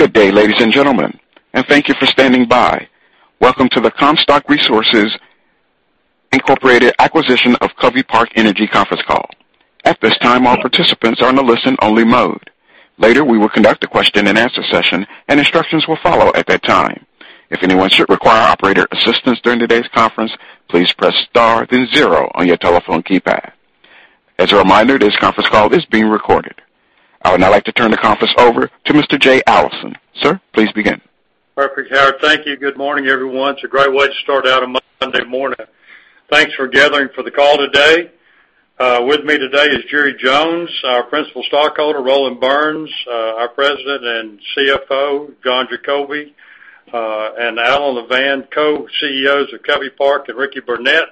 Good day, ladies and gentlemen, and thank you for standing by. Welcome to the Comstock Resources Incorporated acquisition of Covey Park Energy conference call. At this time, all participants are in a listen-only mode. Later, we will conduct a question-and-answer session, and instructions will follow at that time. If anyone should require operator assistance during today's conference, please press star then zero on your telephone keypad. As a reminder, this conference call is being recorded. I would now like to turn the conference over to Mr. Jay Allison. Sir, please begin. Perfect, Howard. Thank you. Good morning, everyone. It's a great way to start out a Monday morning. Thanks for gathering for the call today. With me today is Jerry Jones, our principal stockholder, Roland Burns, our President and CFO, John Jacobi, and Alan Levande, co-CEOs of Covey Park, and Richard Burnett,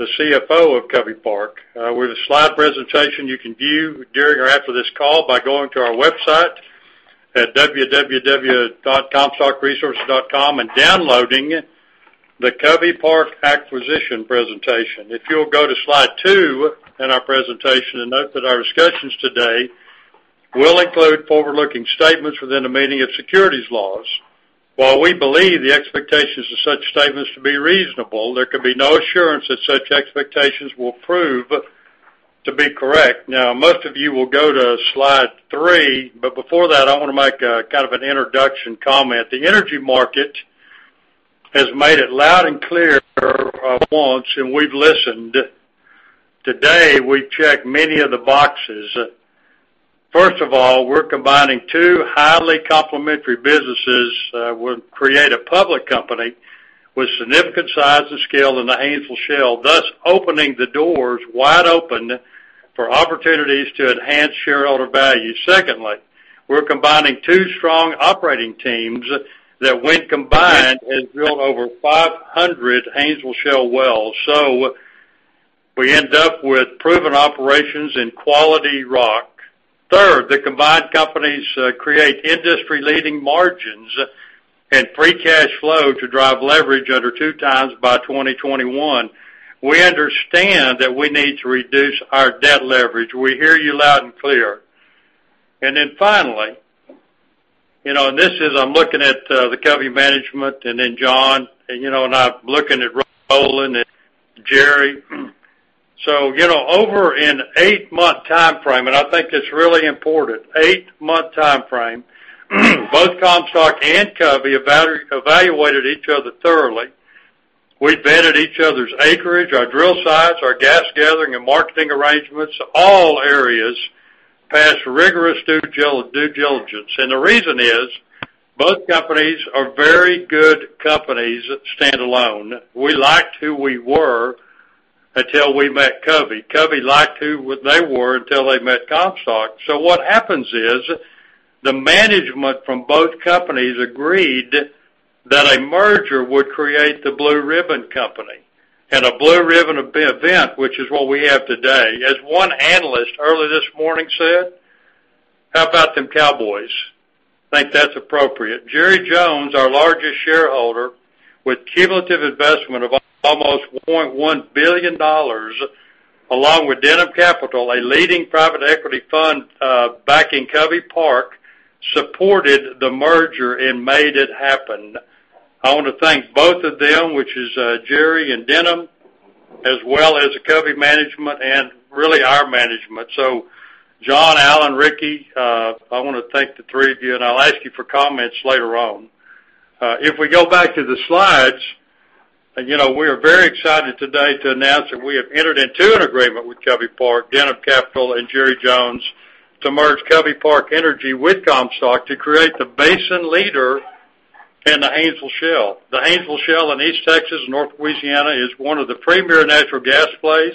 the CFO of Covey Park. With a slide presentation you can view during or after this call by going to our website at www.comstockresources.com and downloading the Covey Park acquisition presentation. If you'll go to slide two in our presentation and note that our discussions today will include forward-looking statements within the meaning of securities laws. While we believe the expectations of such statements to be reasonable, there can be no assurance that such expectations will prove to be correct. Most of you will go to slide three. Before that, I want to make an introduction comment. The energy market has made it loud and clear at once. We've listened. Today, we check many of the boxes. First of all, we're combining two highly complementary businesses. We'll create a public company with significant size and scale in the Haynesville Shale, thus opening the doors wide open for opportunities to enhance shareholder value. Secondly, we're combining two strong operating teams that, when combined, has drilled over 500 Haynesville Shale wells. We end up with proven operations in quality rock. Third, the combined companies create industry-leading margins and free cash flow to drive leverage under two times by 2021. We understand that we need to reduce our debt leverage. We hear you loud and clear. Finally, I'm looking at the Covey management, then John, and I'm looking at Roland and Jerry. Over an eight-month timeframe, and I think it's really important, eight-month timeframe, both Comstock and Covey evaluated each other thoroughly. We vetted each other's acreage, our drill sites, our gas gathering, and marketing arrangements. All areas passed rigorous due diligence. The reason is both companies are very good companies standalone. We liked who we were until we met Covey. Covey liked who they were until they met Comstock. What happens is the management from both companies agreed that a merger would create the blue ribbon company, and a blue ribbon event, which is what we have today. As one analyst earlier this morning said, "How about them Cowboys?" Think that's appropriate. Jerry Jones, our largest shareholder, with cumulative investment of almost $1.1 billion, along with Denham Capital, a leading private equity fund backing Covey Park, supported the merger and made it happen. I want to thank both of them, which is Jerry and Denham, as well as Covey management and really our management. John, Alan, Ricky, I want to thank the three of you, and I'll ask you for comments later on. If we go back to the slides, we are very excited today to announce that we have entered into an agreement with Covey Park, Denham Capital, and Jerry Jones to merge Covey Park Energy with Comstock to create the basin leader in the Haynesville Shale. The Haynesville Shale in East Texas, North Louisiana is one of the premier natural gas plays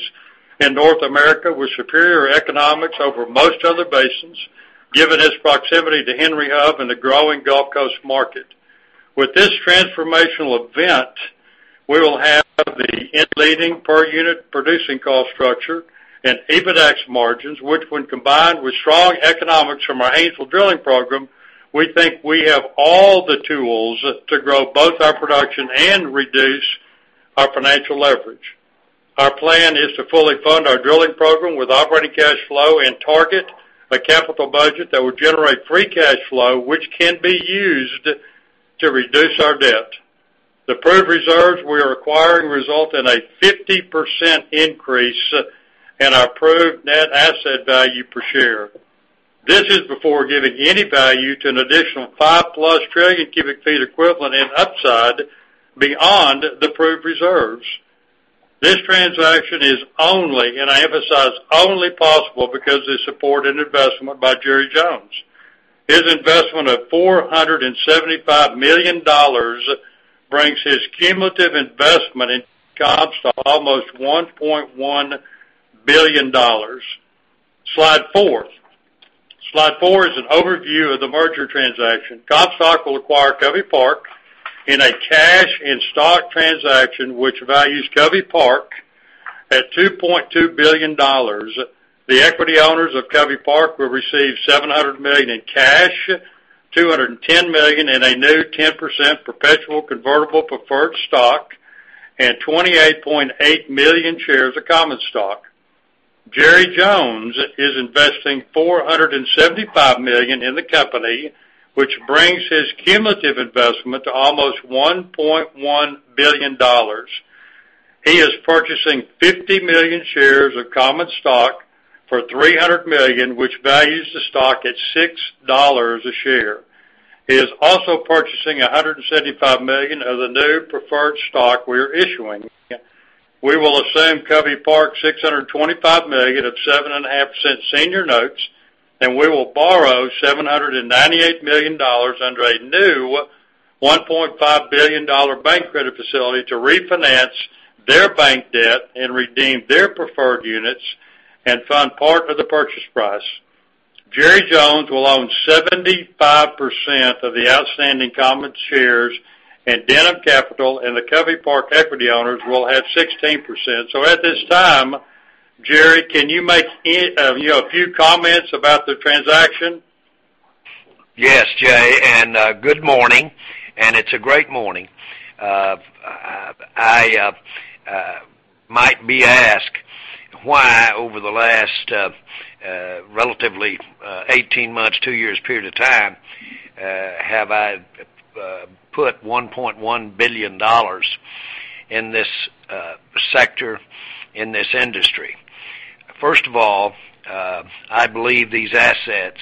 in North America, with superior economics over most other basins, given its proximity to Henry Hub and the growing Gulf Coast market. With this transformational event, we will have the leading per-unit producing cost structure and EBITDAX margins, which when combined with strong economics from our Haynesville drilling program, we think we have all the tools to grow both our production and reduce our financial leverage. Our plan is to fully fund our drilling program with operating cash flow and target a capital budget that will generate free cash flow, which can be used to reduce our debt. The proved reserves we are acquiring result in a 50% increase in our proved net asset value per share. This is before giving any value to an additional five-plus trillion cubic feet equivalent in upside beyond the proved reserves. This transaction is only, and I emphasize, only possible because of the support and investment by Jerry Jones. His investment of $475 million brings his cumulative investment in Comstock to almost $1.1 billion. Slide four. Slide four is an overview of the merger transaction. Comstock will acquire Covey Park in a cash and stock transaction, which values Covey Park at $2.2 billion. The equity owners of Covey Park will receive $700 million in cash, $210 million in a new 10% perpetual convertible preferred stock, and 28.8 million shares of common stock. Jerry Jones is investing $475 million in the company, which brings his cumulative investment to almost $1.1 billion. He is purchasing 50 million shares of common stock for $300 million, which values the stock at $6 a share. He is also purchasing $175 million of the new preferred stock we are issuing. We will assume Covey Park's $625 million of 7.5% senior notes, and we will borrow $798 million under a new $1.5 billion bank credit facility to refinance their bank debt and redeem their preferred units and fund part of the purchase price. Jerry Jones will own 75% of the outstanding common shares, and Denham Capital and the Covey Park equity owners will have 16%. At this time, Jerry, can you make a few comments about the transaction? Yes, Jay, good morning. It's a great morning. I might be asked why, over the last relatively 18 months, two years period of time have I put $1.1 billion in this sector, in this industry. First of all, I believe these assets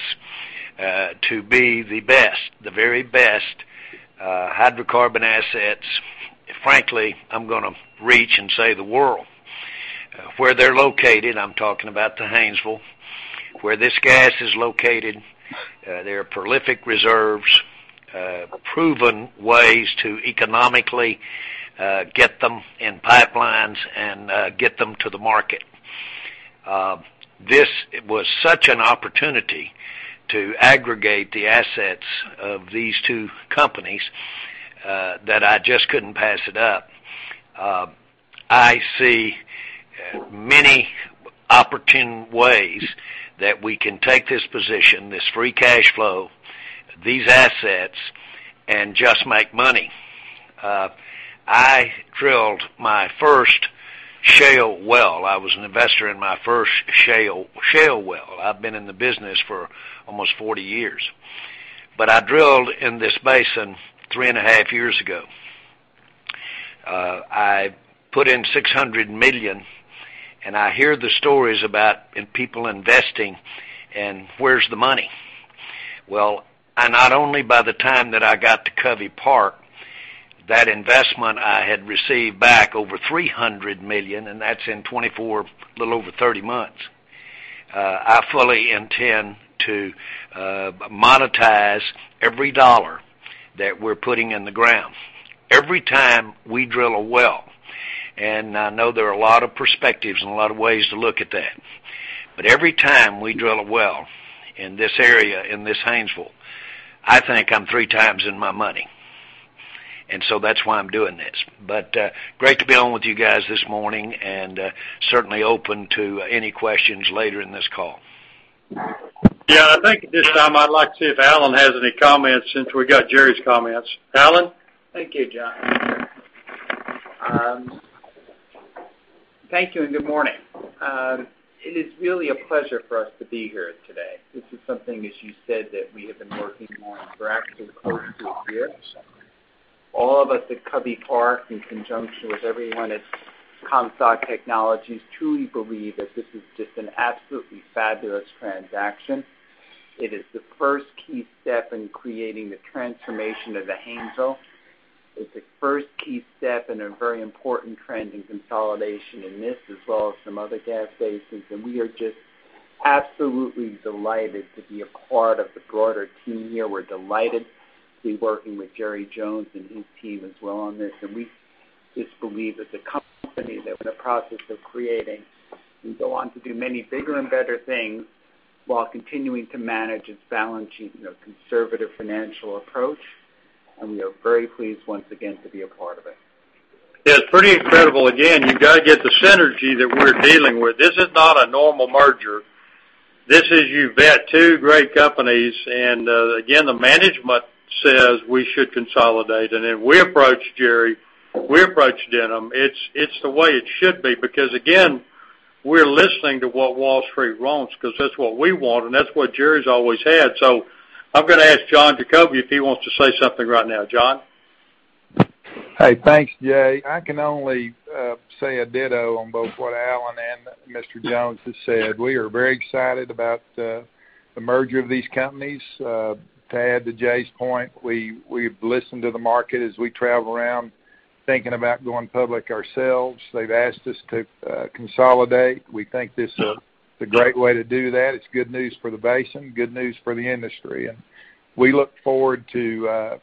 to be the best, the very best hydrocarbon assets, frankly, I'm going to reach and say the world. Where they're located, I'm talking about the Haynesville, where this gas is located, there are prolific reserves, proven ways to economically get them in pipelines and get them to the market. This was such an opportunity to aggregate the assets of these two companies that I just couldn't pass it up. I see many opportune ways that we can take this position, this free cash flow, these assets, and just make money. I drilled my first shale well. I was an investor in my first shale well. I've been in the business for almost 40 years. I drilled in this basin three and a half years ago. I put in $600 million, I hear the stories about people investing and where's the money? Well, not only by the time that I got to Covey Park, that investment I had received back over $300 million, that's in 24, a little over 30 months. I fully intend to monetize every dollar that we're putting in the ground. Every time we drill a well, I know there are a lot of perspectives and a lot of ways to look at that, every time we drill a well in this area, in this Haynesville, I think I'm three times in my money, that's why I'm doing this. Great to be on with you guys this morning and certainly open to any questions later in this call. Yeah, I think at this time, I'd like to see if Alan has any comments since we got Jerry's comments. Alan? Thank you, John. Thank you and good morning. It is really a pleasure for us to be here today. This is something, as you said, that we have been working on for actually close to a year. All of us at Covey Park, in conjunction with everyone at Comstock Resources, truly believe that this is just an absolutely fabulous transaction. It is the first key step in creating the transformation of the Haynesville. It's the first key step in a very important trend in consolidation in this as well as some other gas basins. We are just absolutely delighted to be a part of the broader team here. We're delighted to be working with Jerry Jones and his team as well on this. We just believe that the company that we're in the process of creating can go on to do many bigger and better things while continuing to manage its balance sheet in a conservative financial approach. We are very pleased once again to be a part of it. It's pretty incredible. Again, you've got to get the synergy that we're dealing with. This is not a normal merger. This is, you've got two great companies. Again, the management says we should consolidate. Then we approach Jerry, we approach Denham. It's the way it should be, because again, we're listening to what Wall Street wants because that's what we want, and that's what Jerry's always had. I'm going to ask John Jacobi if he wants to say something right now. John? Hey, thanks, Jay. I can only say a ditto on both what Alan and Mr. Jones have said. We are very excited about the merger of these companies. To add to Jay's point, we've listened to the market as we travel around thinking about going public ourselves. They've asked us to consolidate. We think this is a great way to do that. It's good news for the basin, good news for the industry. We look forward to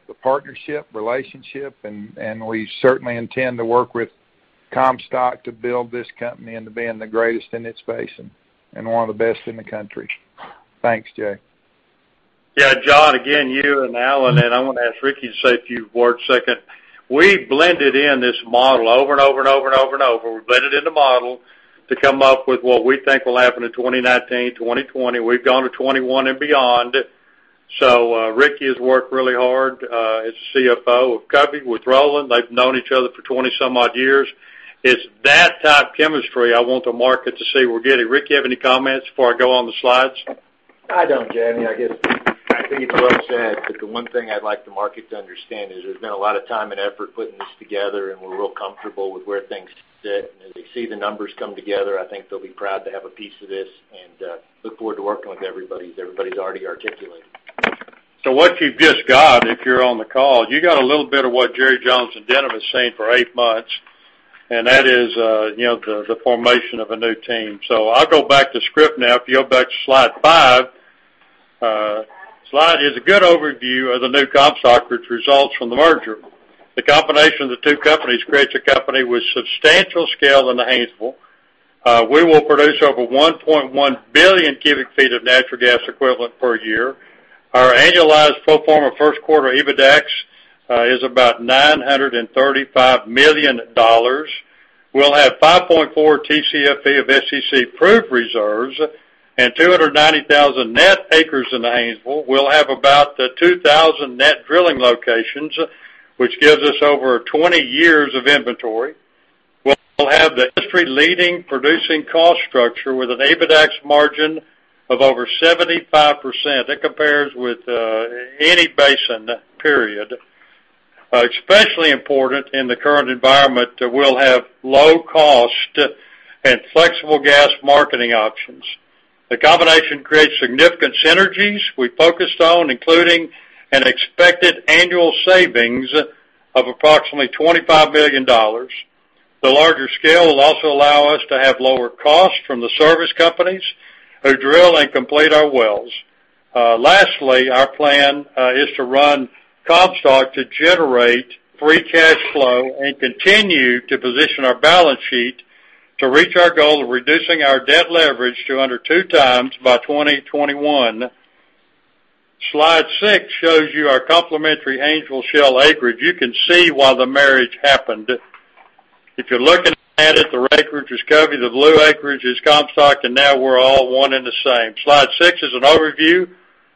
the partnership, relationship. We certainly intend to work with Comstock to build this company into being the greatest in its basin and one of the best in the country. Thanks, Jay. John, again, you and Alan, I want to ask Ricky to say a few words second. We blended in this model over and over. We blended in the model to come up with what we think will happen in 2019, 2020. We've gone to 2021 and beyond. Ricky has worked really hard as the CFO of Covey Park with Roland. They've known each other for 20 some odd years. It's that type chemistry I want the market to see we're getting. Ricky, you have any comments before I go on the slides? I don't, Jay. I guess I think what Roland said, the one thing I'd like the market to understand is there's been a lot of time and effort putting this together, we're real comfortable with where things sit, as they see the numbers come together, I think they'll be proud to have a piece of this and look forward to working with everybody as everybody's already articulated. What you've just got, if you're on the call, you got a little bit of what Jerry Jones and Denham Capital has seen for eight months, that is the formation of a new team. I'll go back to script now. If you go back to slide five. Slide is a good overview of the new Comstock Resources, which results from the merger. The combination of the two companies creates a company with substantial scale in the Haynesville Shale. We will produce over 1.1 billion cubic feet of natural gas equivalent per year. Our annualized pro forma first quarter EBITDAX is about $935 million. We'll have 5.4 TCFE of SEC proved reserves, 290,000 net acres in the Haynesville Shale. We'll have about 2,000 net drilling locations, which gives us over 20 years of inventory. We'll have the history-leading producing cost structure with an EBITDAX margin of over 75%. That compares with any basin, period. Especially important in the current environment that we'll have low cost and flexible gas marketing options. The combination creates significant synergies we focused on, including an expected annual savings of approximately $25 billion. The larger scale will also allow us to have lower costs from the service companies who drill and complete our wells. Lastly, our plan is to run Comstock Resources to generate free cash flow and continue to position our balance sheet to reach our goal of reducing our debt leverage to under two times by 2021. Slide six shows you our complementary Haynesville Shale acreage. You can see why the marriage happened. If you're looking at it, the red acreage is Covey Park, the blue acreage is Comstock Resources, now we're all one and the same. Slide six is an overview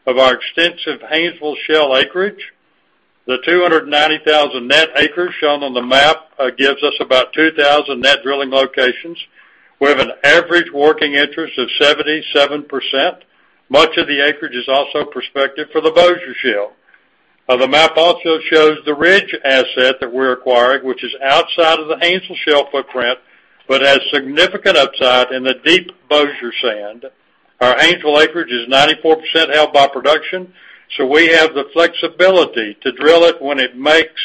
of our extensive Haynesville Shale acreage. The 290,000 net acres shown on the map gives us about 2,000 net drilling locations. We have an average working interest of 77%. Much of the acreage is also prospective for the Bossier Shale. The map also shows the Ridge asset that we're acquiring, which is outside of the Haynesville Shale footprint but has significant upside in the deep Bossier Shale. Our Haynesville acreage is 94% held by production, so we have the flexibility to drill it when it makes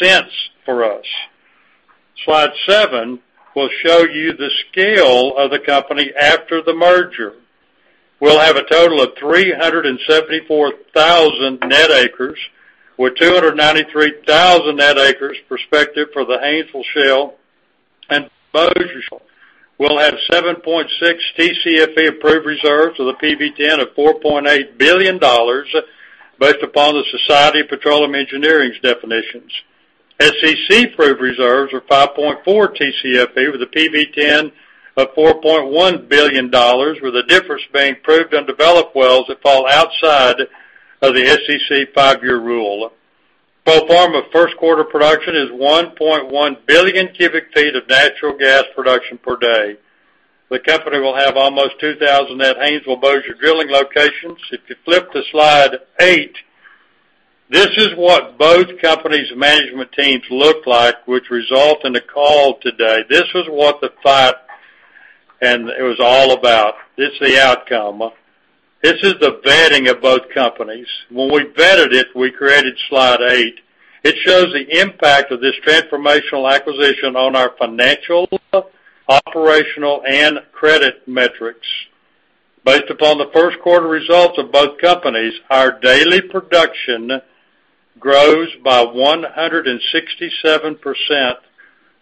sense for us. Slide seven will show you the scale of the company after the merger. We'll have a total of 374,000 net acres, with 293,000 net acres prospective for the Haynesville Shale and Bossier Shale. We'll have 7.6 TCFE approved reserves with a PV-10 of $4.8 billion based upon the Society of Petroleum Engineers' definitions. SEC proved reserves are 5.4 TCFE with a PV-10 of $4.1 billion, with the difference being proved in developed wells that fall outside of the SEC 5-year rule. Pro forma first quarter production is 1.1 billion cubic feet of natural gas production per day. The company will have almost 2,000 net Haynesville-Bossier drilling locations. If you flip to slide eight, this is what both companies' management teams look like, which result in the call today. This is what the fight and it was all about. This is the outcome. This is the vetting of both companies. When we vetted it, we created slide eight. It shows the impact of this transformational acquisition on our financial, operational, and credit metrics. Based upon the first quarter results of both companies, our daily production grows by 167%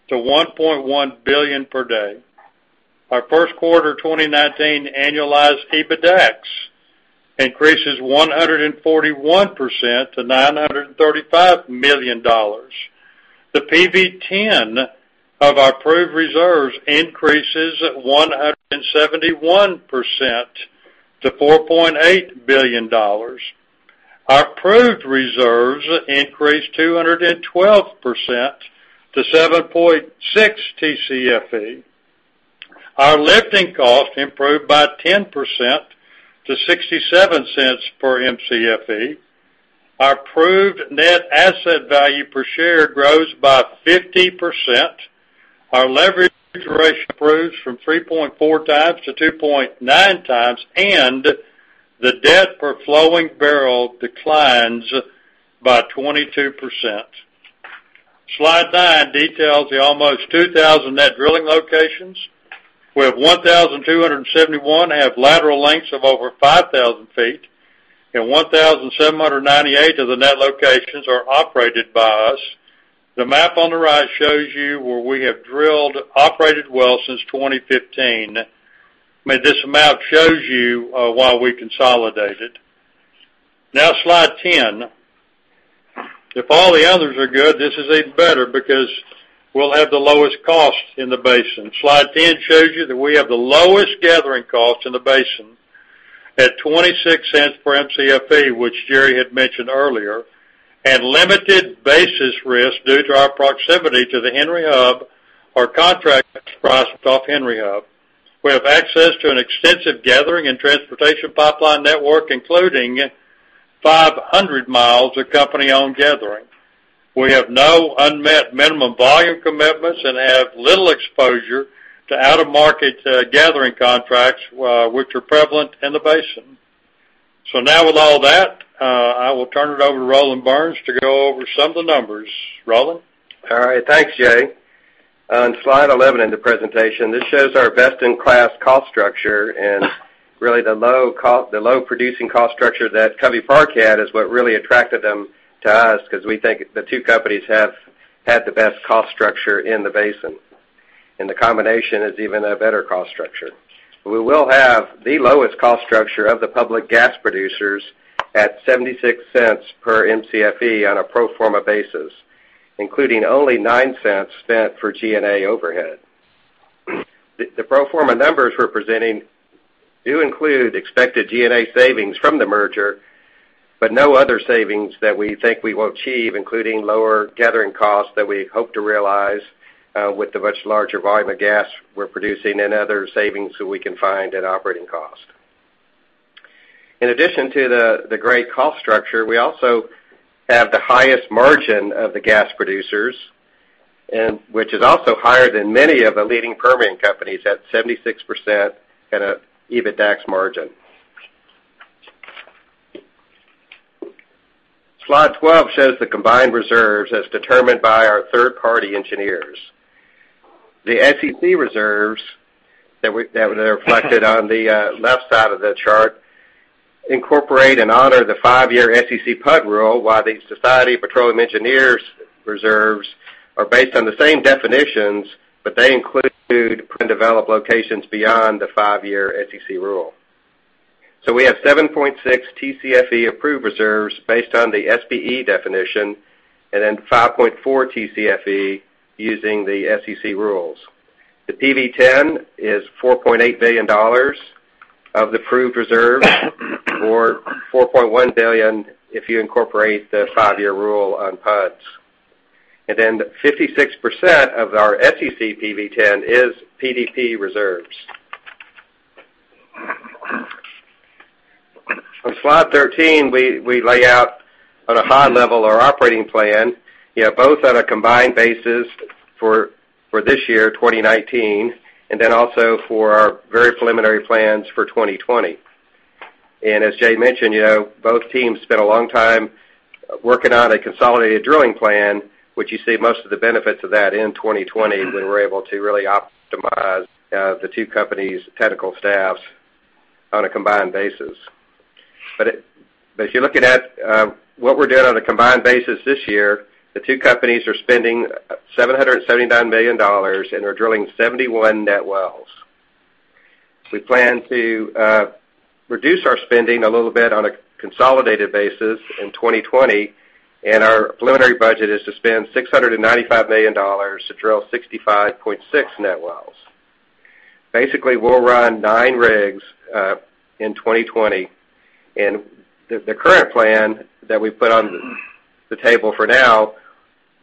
to 1.1 billion per day. Our first quarter 2019 annualized EBITDAX increases 141% to $935 million. The PV-10 of our proved reserves increases 171% to $4.8 billion. Our proved reserves increase 212% to 7.6 TCFE. Our lifting cost improved by 10% to $0.67 per MCFE. Our proved net asset value per share grows by 50%. Our leverage ratio improves from 3.4 times to 2.9 times, and the debt per flowing barrel declines by 22%. Slide nine details the almost 2,000 net drilling locations, with 1,271 have lateral lengths of over 5,000 feet, and 1,798 of the net locations are operated by us. The map on the right shows you where we have drilled operated wells since 2015. I mean, this map shows you why we consolidated. Slide 10. If all the others are good, this is even better because we'll have the lowest cost in the basin. Slide 10 shows you that we have the lowest gathering cost in the basin at $0.26 per MCFE, which Jerry had mentioned earlier, and limited basis risk due to our proximity to the Henry Hub, our contract price off Henry Hub. We have access to an extensive gathering and transportation pipeline network, including 500 miles of company-owned gathering. We have no unmet minimum volume commitments and have little exposure to out-of-market gathering contracts, which are prevalent in the basin. Now with all that, I will turn it over to Roland Burns to go over some of the numbers. Roland? All right. Thanks, Jay. On slide 11 in the presentation, this shows our best-in-class cost structure and really the low producing cost structure that Covey Park had is what really attracted them to us, because we think the two companies have had the best cost structure in the basin, and the combination is even a better cost structure. We will have the lowest cost structure of the public gas producers at $0.76 per Mcfe on a pro forma basis, including only $0.09 spent for G&A overhead. The pro forma numbers we're presenting do include expected G&A savings from the merger, but no other savings that we think we will achieve, including lower gathering costs that we hope to realize with the much larger volume of gas we're producing and other savings that we can find in operating cost. In addition to the great cost structure, we also have the highest margin of the gas producers, which is also higher than many of the leading Permian companies at 76% at an EBITDAX margin. Slide 12 shows the combined reserves as determined by our third-party engineers. The SEC reserves that are reflected on the left side of the chart incorporate and honor the five-year SEC PUD rule, while the Society of Petroleum Engineers reserves are based on the same definitions, but they include undeveloped locations beyond the five-year SEC rule. We have 7.6 Tcfe approved reserves based on the SPE definition, and then 5.4 Tcfe using the SEC rules. The PV-10 is $4.8 billion of the proved reserves, or $4.1 billion if you incorporate the five-year rule on PUDs. Then 56% of our SEC PV-10 is PDP reserves. On slide 13, we lay out on a high level our operating plan, both on a combined basis for this year, 2019, and then also for our very preliminary plans for 2020. As Jay mentioned, both teams spent a long time working on a consolidated drilling plan, which you see most of the benefits of that in 2020. We were able to really optimize the two companies' technical staffs on a combined basis. If you're looking at what we're doing on a combined basis this year, the two companies are spending $779 million, and they're drilling 71 net wells. We plan to reduce our spending a little bit on a consolidated basis in 2020, and our preliminary budget is to spend $695 million to drill 65.6 net wells. Basically, we'll run 9 rigs in 2020, and the current plan that we've put on the table for now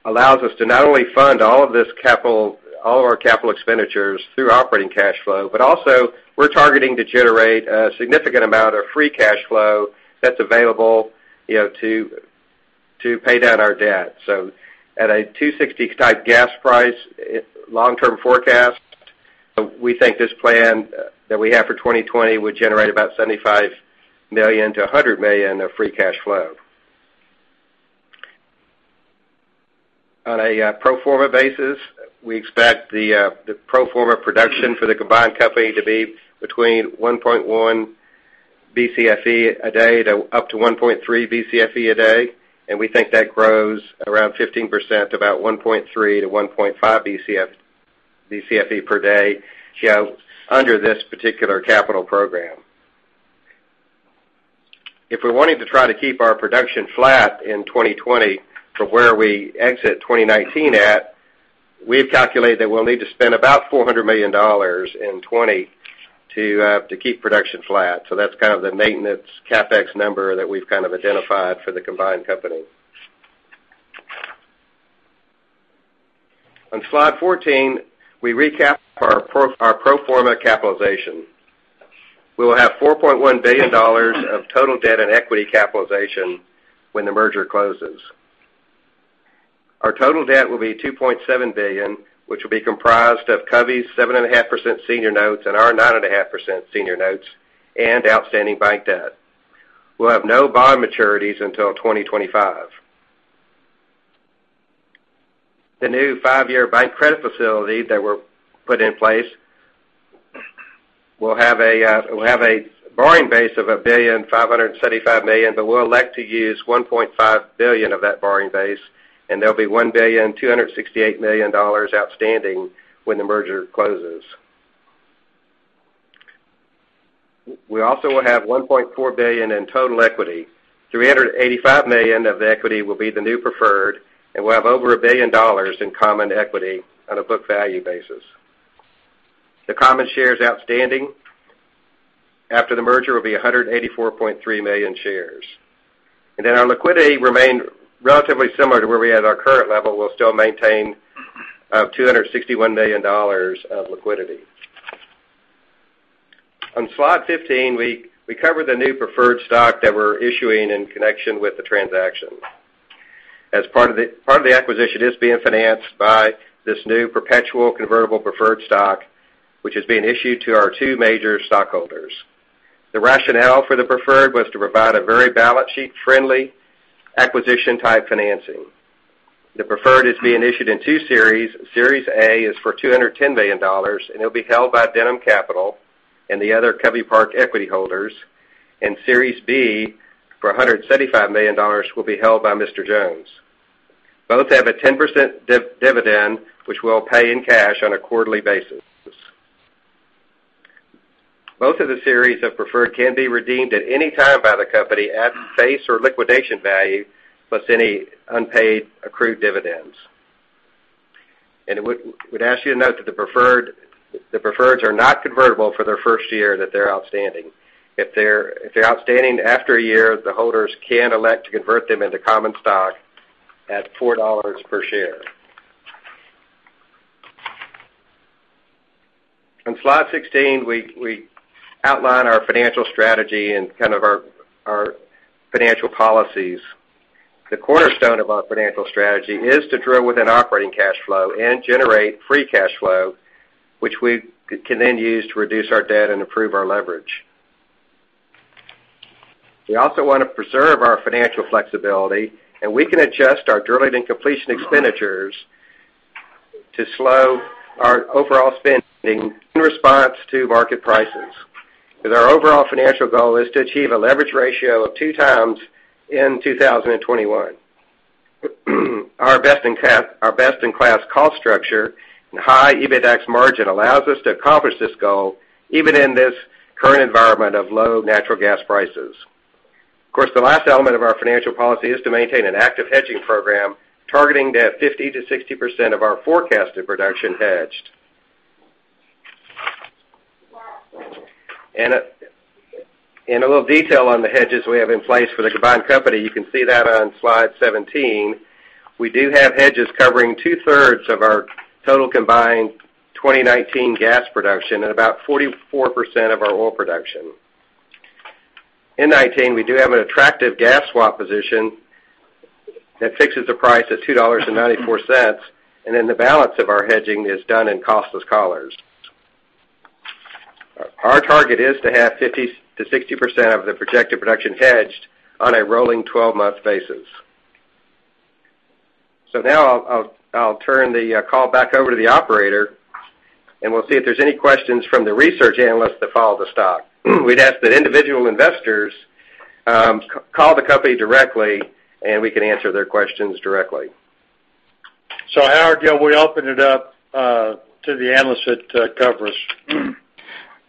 allows us to not only fund all our capital expenditures through operating cash flow, but also we're targeting to generate a significant amount of free cash flow that's available to pay down our debt. At a 260 type gas price long-term forecast, we think this plan that we have for 2020 would generate about $75 million to $100 million of free cash flow. On a pro forma basis, we expect the pro forma production for the combined company to be between 1.1 Bcfe a day to up to 1.3 Bcfe a day, and we think that grows around 15%, about 1.3 to 1.5 Bcfe per day under this particular capital program. If we're wanting to try to keep our production flat in 2020 from where we exit 2019 at, we've calculated that we'll need to spend about $400 million in 2020 to keep production flat. That's the maintenance CapEx number that we've identified for the combined company. On slide 14, we recap our pro forma capitalization. We will have $4.1 billion of total debt and equity capitalization when the merger closes. Our total debt will be $2.7 billion, which will be comprised of Covey's 7.5% senior notes and our 9.5% senior notes and outstanding bank debt. We'll have no bond maturities until 2025. The new five-year bank credit facility that were put in place will have a borrowing base of $1.575 billion, but we'll elect to use $1.5 billion of that borrowing base, and there'll be $1.268 billion outstanding when the merger closes. We also will have $1.4 billion in total equity. $385 million of the equity will be the new preferred, and we'll have over $1 billion in common equity on a book value basis. The common shares outstanding after the merger will be 184.3 million shares. Our liquidity remained relatively similar to where we had our current level. We'll still maintain $261 million of liquidity. On slide 15, we cover the new preferred stock that we're issuing in connection with the transaction. Part of the acquisition is being financed by this new perpetual convertible preferred stock, which is being issued to our two major stockholders. The rationale for the preferred was to provide a very balance sheet friendly acquisition type financing. The preferred is being issued in two series. Series A is for $210 million, and it'll be held by Denham Capital and the other Covey Park equity holders. Series B for $175 million will be held by Mr. Jones. Both have a 10% dividend, which we'll pay in cash on a quarterly basis. Both of the series of preferred can be redeemed at any time by the company at face or liquidation value, plus any unpaid accrued dividends. Would ask you to note that the preferreds are not convertible for their first year that they're outstanding. If they're outstanding after a year, the holders can elect to convert them into common stock at $4 per share. On slide 16, we outline our financial strategy and our financial policies. The cornerstone of our financial strategy is to drill with an operating cash flow and generate free cash flow, which we can then use to reduce our debt and improve our leverage. We also want to preserve our financial flexibility, and we can adjust our drilling and completion expenditures to slow our overall spending in response to market prices. Our overall financial goal is to achieve a leverage ratio of two times in 2021. Our best-in-class cost structure and high EBITDAX margin allows us to accomplish this goal, even in this current environment of low natural gas prices. Of course, the last element of our financial policy is to maintain an active hedging program targeting to have 50%-60% of our forecasted production hedged. A little detail on the hedges we have in place for the combined company, you can see that on slide 17. We do have hedges covering two-thirds of our total combined 2019 gas production and about 44% of our oil production. In 2019, we do have an attractive gas swap position that fixes the price at $2.94, and then the balance of our hedging is done in costless collars. Our target is to have 50%-60% of the projected production hedged on a rolling 12 months basis. Now I'll turn the call back over to the operator, and we'll see if there's any questions from the research analysts that follow the stock. We'd ask that individual investors call the company directly, and we can answer their questions directly. Howard, we open it up to the analysts that covers.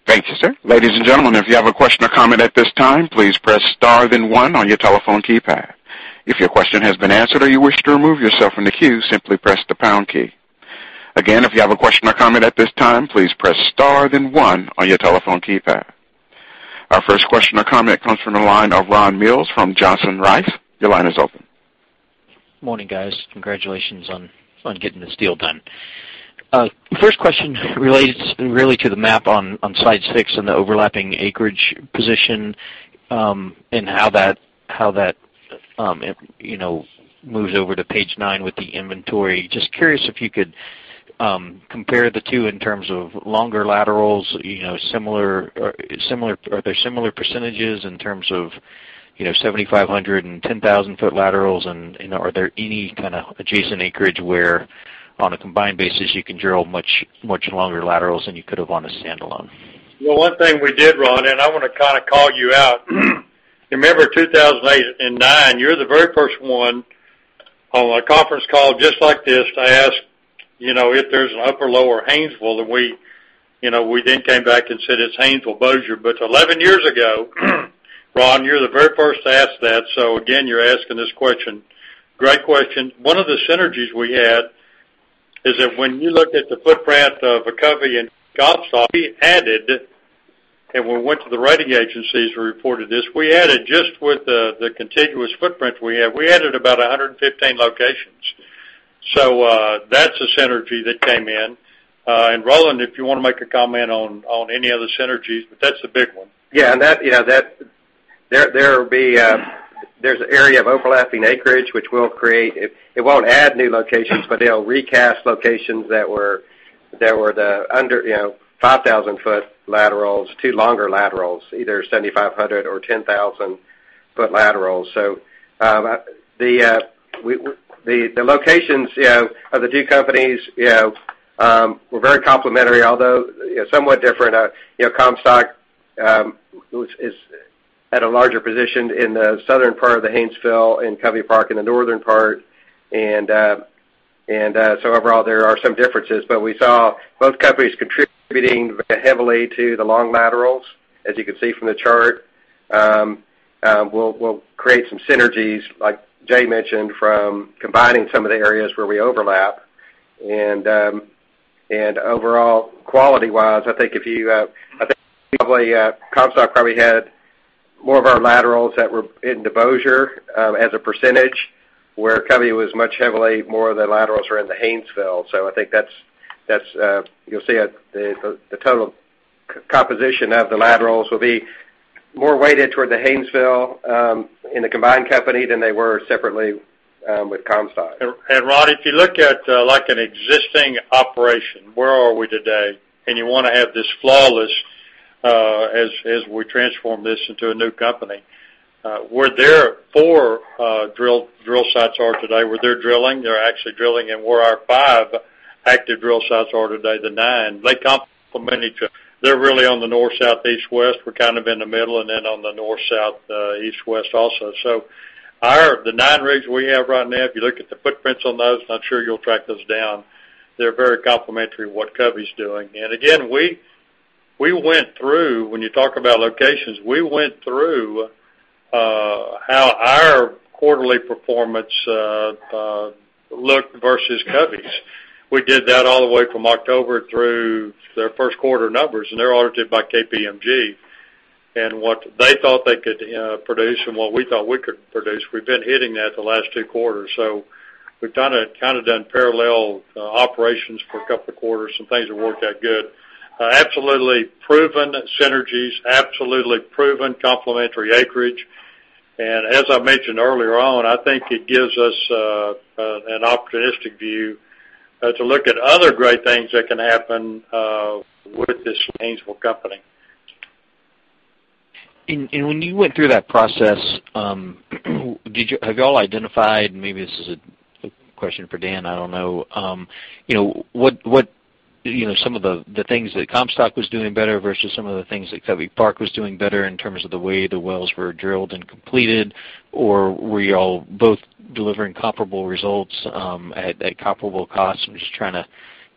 Thank you, sir. Ladies and gentlemen, if you have a question or comment at this time, please press star then one on your telephone keypad. If your question has been answered or you wish to remove yourself from the queue, simply press the pound key. Again, if you have a question or comment at this time, please press star then one on your telephone keypad. Our first question or comment comes from the line of Ron Mills from Johnson Rice & Company. Your line is open. Morning, guys. Congratulations on getting this deal done. First question relates really to the map on slide six and the overlapping acreage position, and how that moves over to page nine with the inventory. Just curious if you could compare the two in terms of longer laterals. Are there similar percentages in terms of 7,500 and 10,000 foot laterals, and are there any kind of adjacent acreage where on a combined basis you can drill much longer laterals than you could have on a standalone? One thing we did, Ron, I want to call you out. Remember 2008 and '09, you're the very first one on a conference call just like this to ask if there's an upper lower Haynesville. We came back and said it's Haynesville Bossier. 11 years ago, Ron, you're the very first to ask that. Again, you're asking this question. Great question. One of the synergies we had is that when you look at the footprint of a Covey Park and Comstock, we added, and we went to the rating agencies, we reported this. We added just with the contiguous footprint we have. We added about 115 locations. That's a synergy that came in. Roland, if you want to make a comment on any other synergies, but that's the big one. There's an area of overlapping acreage which will create, but they'll recast locations that were the under 5,000 foot laterals to longer laterals, either 7,500 or 10,000 foot laterals. The locations of the two companies were very complimentary, although somewhat different. Comstock is at a larger position in the southern part of the Haynesville and Covey Park in the northern part. Overall, there are some differences, but we saw both companies contributing heavily to the long laterals, as you can see from the chart. We'll create some synergies, like Jay mentioned, from combining some of the areas where we overlap. Overall, quality-wise, I think Comstock probably had more of our laterals that were into Bossier as a percentage, where Covey Park was much heavily more of the laterals are in the Haynesville. I think you'll see the total composition of the laterals will be more weighted toward the Haynesville in the combined company than they were separately with Comstock. Ron, if you look at an existing operation, where are we today? You want to have this flawless as we transform this into a new company. Where their four drill sites are today, where they're drilling, they're actually drilling, and where our five active drill sites are today, the nine. They complement each other. They're really on the north, south, east, west. We're kind of in the middle, and on the north, south, east, west also. The nine rigs we have right now, if you look at the footprints on those, I'm sure you'll track those down. They're very complementary to what Covey Park's doing. Again, when you talk about locations, we went through how our quarterly performance looked versus Covey Park's. We did that all the way from October through their first quarter numbers, and they're audited by KPMG. What they thought they could produce and what we thought we could produce, we've been hitting that the last two quarters. We've done parallel operations for a couple of quarters, and things have worked out good. Absolutely proven synergies, absolutely proven complementary acreage. As I mentioned earlier on, I think it gives us an opportunistic view to look at other great things that can happen with this Haynesville company. When you went through that process have you all identified, and maybe this is a question for Ron, I don't know. What some of the things that Comstock was doing better versus some of the things that Covey Park was doing better in terms of the way the wells were drilled and completed, or were you all both delivering comparable results at comparable costs? I'm just trying to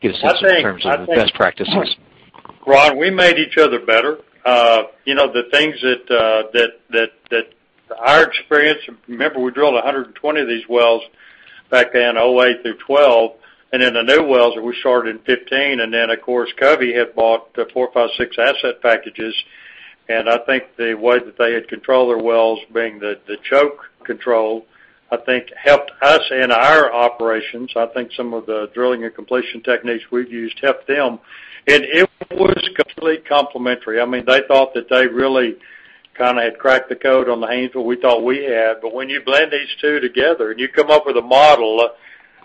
get a sense in terms of the best practices. Ron, we made each other better. The things that our experience Remember we drilled 120 of these wells back then, 2008 through 2012, and then the new wells we started in 2015, and then, of course, Covey had bought four, five, six asset packages. I think the way that they had controlled their wells, being the choke control, I think helped us in our operations. I think some of the drilling and completion techniques we've used helped them. It was completely complementary. They thought that they really had cracked the code on the Haynesville. We thought we had. When you blend these two together and you come up with a model.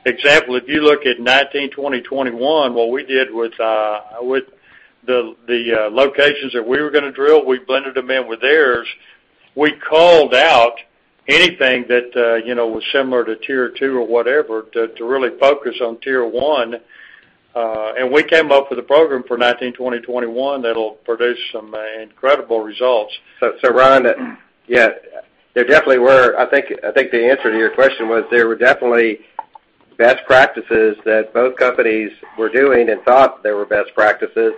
Example, if you look at 2019, 2020, 2021, what we did with the locations that we were going to drill, we blended them in with theirs. We culled out anything that was similar to tier 2 or whatever, to really focus on tier 1. We came up with a program for 2019, 2020, 2021 that'll produce some incredible results. Ron, there definitely were I think the answer to your question was there were definitely best practices that both companies were doing and thought they were best practices.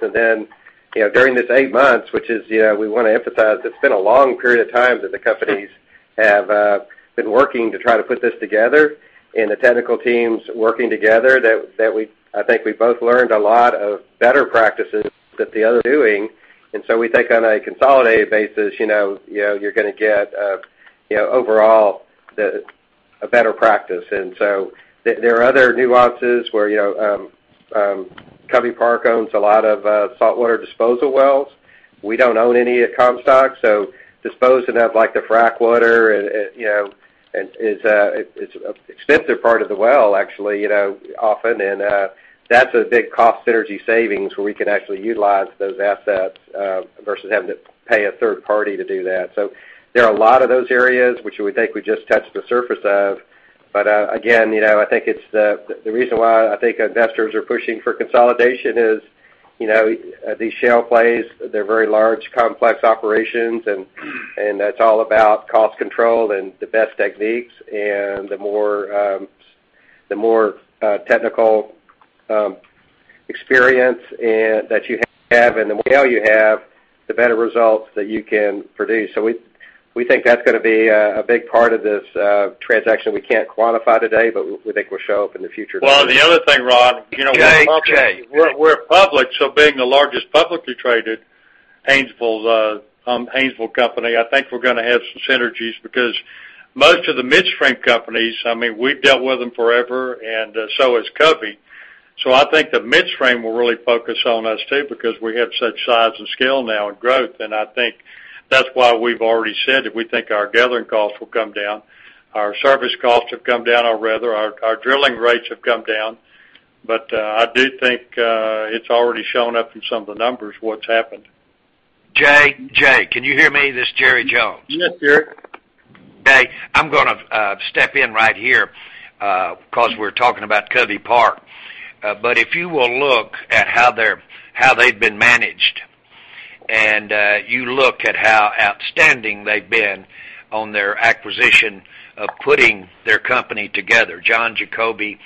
During this eight months, which we want to emphasize, it's been a long period of time that the companies have been working to try to put this together and the technical teams working together, that I think we both learned a lot of better practices that the other doing. We think on a consolidated basis, you're going to get overall a better practice. There are other nuances where Covey Park owns a lot of saltwater disposal wells. We don't own any at Comstock, so disposing of the frack water is an expensive part of the well, actually, often. That's a big cost synergy savings where we can actually utilize those assets versus having to pay a third party to do that. There are a lot of those areas which we think we just touched the surface of. The reason why I think investors are pushing for consolidation is these shale plays, they're very large, complex operations, and that's all about cost control and the best techniques. The more technical experience that you have and the more oil you have, the better results that you can produce. We think that's going to be a big part of this transaction we can't quantify today, but we think will show up in the future. Well, the other thing, Ron. Jay we're public, being the largest publicly traded Haynesville company, I think we're going to have some synergies because most of the midstream companies, we've dealt with them forever and so has Covey. I think the midstream will really focus on us too, because we have such size and scale now and growth, and I think that's why we've already said it. We think our gathering costs will come down. Our service costs have come down, or rather, our drilling rates have come down. I do think it's already shown up in some of the numbers, what's happened. Jay, can you hear me? This is Jerry Jones. Yes, sir. Jay, I'm going to step in right here, because we're talking about Covey Park. If you will look at how they've been managed. You look at how outstanding they've been on their acquisition of putting their company together. John Jacobi,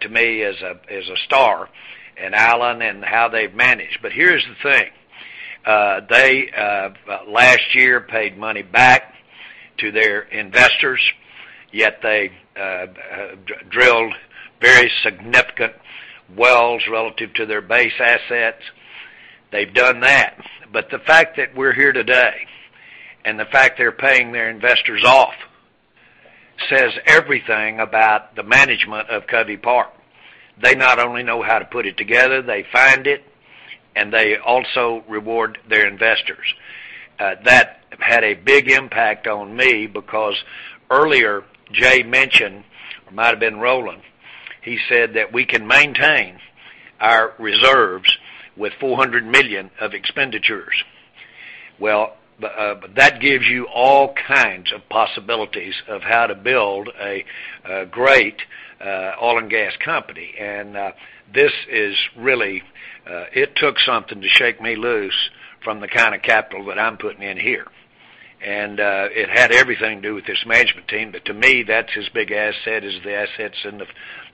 to me, is a star, and Alan, and how they've managed. Here's the thing, they, last year, paid money back to their investors, yet they've drilled very significant wells relative to their base assets. They've done that. The fact that we're here today, and the fact they're paying their investors off, says everything about the management of Covey Park. They not only know how to put it together, they find it, and they also reward their investors. That had a big impact on me because earlier, Jay mentioned, or it might've been Roland, he said that we can maintain our reserves with $400 million of expenditures. That gives you all kinds of possibilities of how to build a great oil and gas company. This is really It took something to shake me loose from the kind of capital that I'm putting in here. It had everything to do with this management team. To me, that's as big a asset as the assets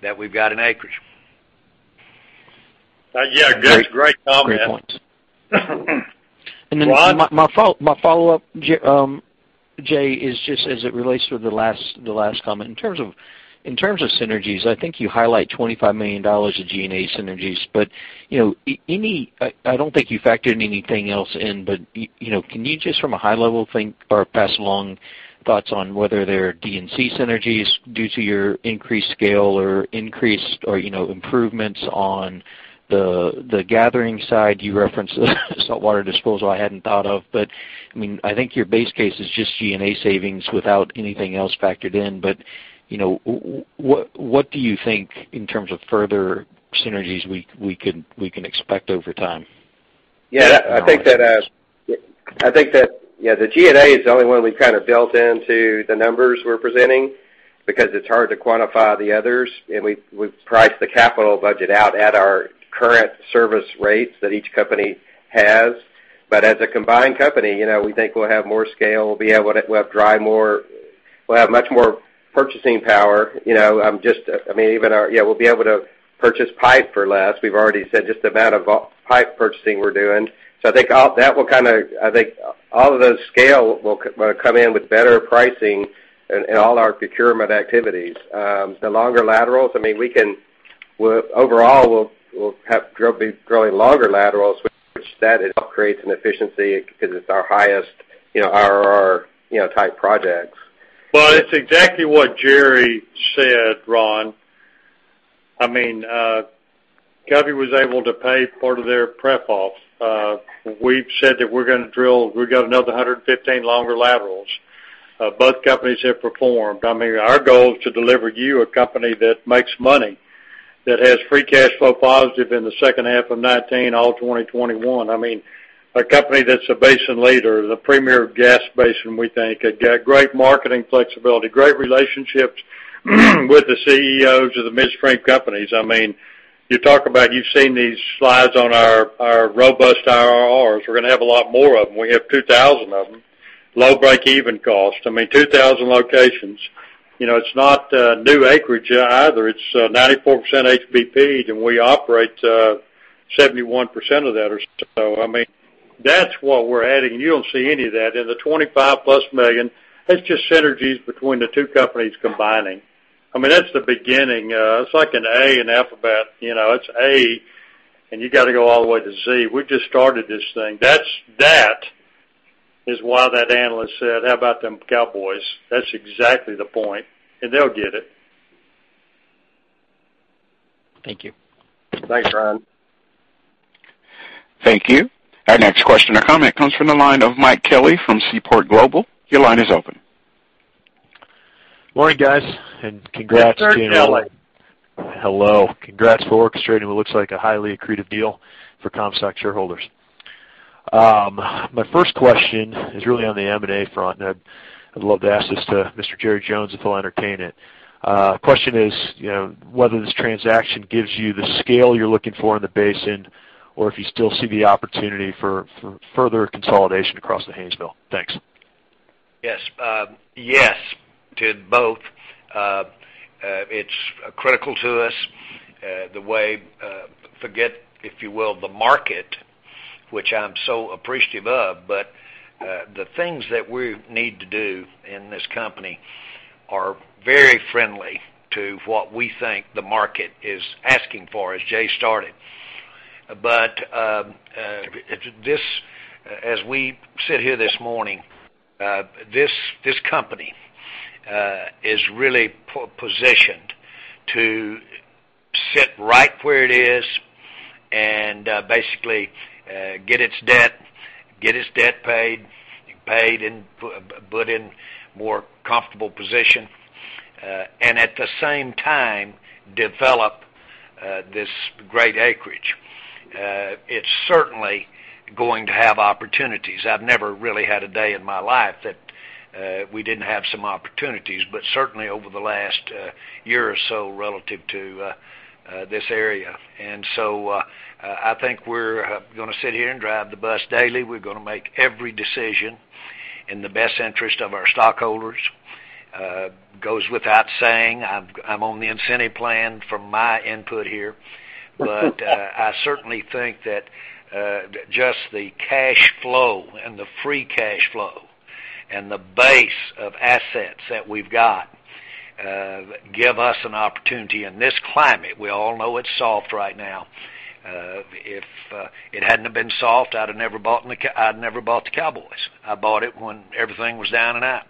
that we've got in acreage. Yeah, great comment. Great points. Ron? My follow-up, Jay, is just as it relates to the last comment. In terms of synergies, I think you highlight $25 million of G&A synergies, I don't think you factored anything else in, can you just from a high level think or pass along thoughts on whether there are D&C synergies due to your increased scale or increased or improvements on the gathering side? You referenced the saltwater disposal I hadn't thought of, I think your base case is just G&A savings without anything else factored in. What do you think in terms of further synergies we can expect over time? Yeah, I think that the G&A is the only one we've built into the numbers we're presenting because it's hard to quantify the others. We've priced the capital budget out at our current service rates that each company has. As a combined company, we think we'll have more scale. We'll have much more purchasing power. We'll be able to purchase pipe for less. We've already said just the amount of pipe purchasing we're doing. I think all of those scale will come in with better pricing in all our procurement activities. The longer laterals, overall, we'll be drilling longer laterals, which that it creates an efficiency because it's our highest IRR type projects. Well, it's exactly what Jerry said, Ron. Covey was able to pay part of their pref off. We've said that we're going to drill. We've got another 115 longer laterals. Both companies have performed. Our goal is to deliver you a company that makes money, that has free cash flow positive in the second half of 2019, all 2021. A company that's a basin leader, the premier gas basin, we think. Great marketing flexibility, great relationships with the CEOs of the midstream companies. You talk about you've seen these slides on our robust IRRs. We're going to have a lot more of them. We have 2,000 of them. Low break-even cost. 2,000 locations. It's not new acreage either. It's 94% HBP, and we operate 71% of that or so. That's what we're adding. You don't see any of that. In the $25-plus million, that's just synergies between the two companies combining. That's the beginning. It's like an A in alphabet. It's A, you got to go all the way to Z. We just started this thing. That is why that analyst said, "How about them Cowboys?" That's exactly the point, they'll get it. Thank you. Thanks, Ron. Thank you. Our next question or comment comes from the line of Mike Kelly from Seaport Global. Your line is open. Morning, guys. Congrats to you all. Mr. Kelly. Hello. Congrats for orchestrating what looks like a highly accretive deal for Comstock shareholders. My first question is really on the M&A front. I'd love to ask this to Mr. Jerry Jones, if he'll entertain it. Question is, whether this transaction gives you the scale you're looking for in the basin or if you still see the opportunity for further consolidation across the Haynesville? Thanks. Yes to both. It's critical to us. Forget, if you will, the market, which I'm so appreciative of. The things that we need to do in this company are very friendly to what we think the market is asking for, as Jay started. As we sit here this morning, this company is really positioned to sit right where it is and basically get its debt paid and put in more comfortable position, at the same time, develop this great acreage. It's certainly going to have opportunities. I've never really had a day in my life that we didn't have some opportunities, certainly over the last year or so relative to this area. I think we're going to sit here and drive the bus daily. We're going to make every decision in the best interest of our stockholders. Goes without saying, I'm on the incentive plan for my input here. I certainly think that just the cash flow and the free cash flow and the base of assets that we've got give us an opportunity in this climate. We all know it's soft right now. If it hadn't have been soft, I'd have never bought the Cowboys. I bought it when everything was down and out.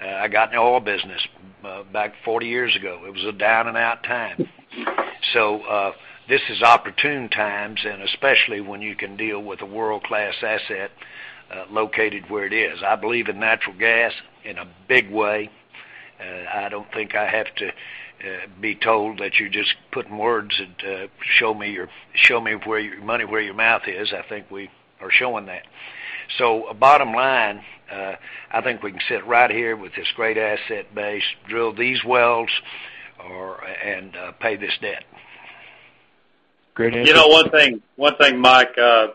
I got in the oil business back 40 years ago. It was a down and out time. This is opportune times, especially when you can deal with a world-class asset located where it is. I believe in natural gas in a big way. I don't think I have to be told that you're just putting words, show me money where your mouth is. I think we are showing that. Bottom line, I think we can sit right here with this great asset base, drill these wells, and pay this debt. Great answer. One thing, Mike Kelly,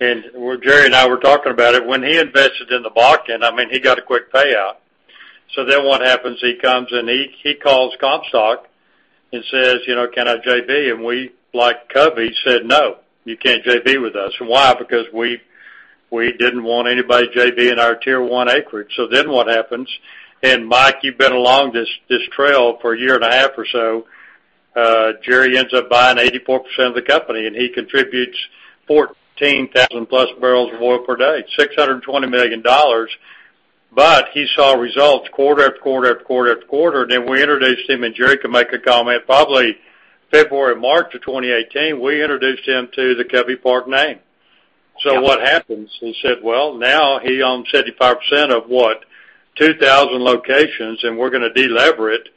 and Jerry Jones and I were talking about it, when he invested in the Bakken, he got a quick payout. What happens, he comes, and he calls Comstock and says, "Can I JV?" And we, like Covey Park, said, "No, you can't JV with us." Why? Because we didn't want anybody JV-ing our tier 1 acreage. What happens, Mike Kelly, you've been along this trail for a year and a half or so, Jerry Jones ends up buying 84% of the company, and he contributes 14,000+ barrels of oil per day, $620 million. He saw results quarter after quarter after quarter after quarter. We introduced him, and Jerry Jones can make a comment, probably February, March of 2018, we introduced him to the Covey Park name. What happens? He said, well, now he owns 75% of what? 2,000 locations, we're going to de-lever it.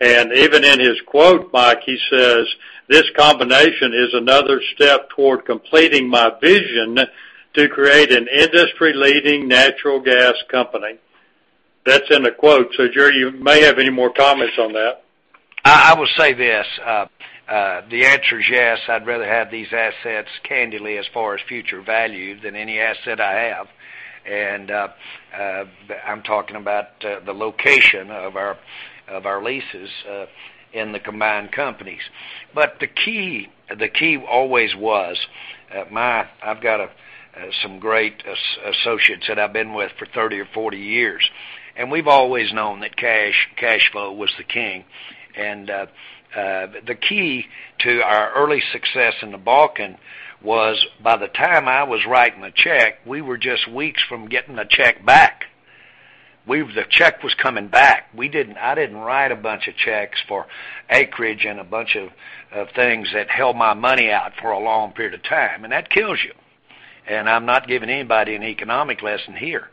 Even in his quote, Mike Kelly, he says, "This combination is another step toward completing my vision to create an industry-leading natural gas company." That's in the quote. Jerry Jones, you may have any more comments on that. I will say this. The answer is yes, I'd rather have these assets candidly as far as future value than any asset I have. I'm talking about the location of our leases in the combined companies. The key always was, I've got some great associates that I've been with for 30 or 40 years, we've always known that cash flow was the king. The key to our early success in the Bakken was by the time I was writing a check, we were just weeks from getting the check back. The check was coming back. I didn't write a bunch of checks for acreage and a bunch of things that held my money out for a long period of time, that kills you. I'm not giving anybody an economic lesson here.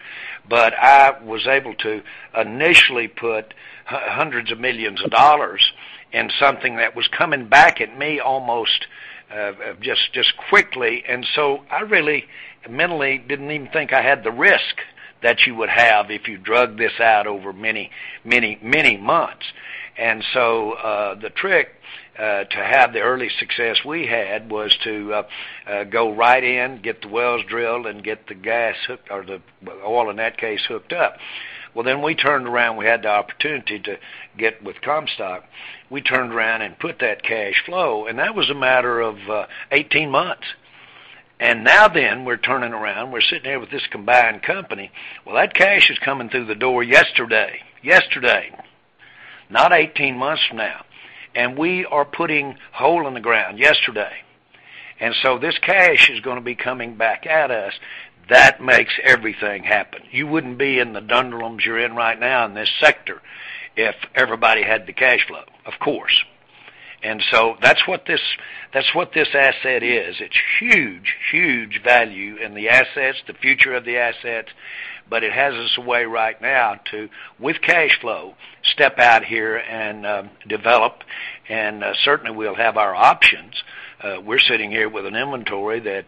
I was able to initially put $hundreds of millions in something that was coming back at me almost just quickly. I really mentally didn't even think I had the risk that you would have if you drug this out over many months. The trick to have the early success we had was to go right in, get the wells drilled, and get the gas, or the oil in that case, hooked up. We turned around. We had the opportunity to get with Comstock. We turned around and put that cash flow, and that was a matter of 18 months. Now then, we're turning around. We're sitting here with this combined company. That cash is coming through the door yesterday. Yesterday, not 18 months from now. We are putting hole in the ground yesterday. This cash is going to be coming back at us. That makes everything happen. You wouldn't be in the doldrums you're in right now in this sector if everybody had the cash flow, of course. That's what this asset is. It's huge value in the assets, the future of the assets, but it has us a way right now to, with cash flow, step out here and develop. Certainly, we'll have our options. We're sitting here with an inventory that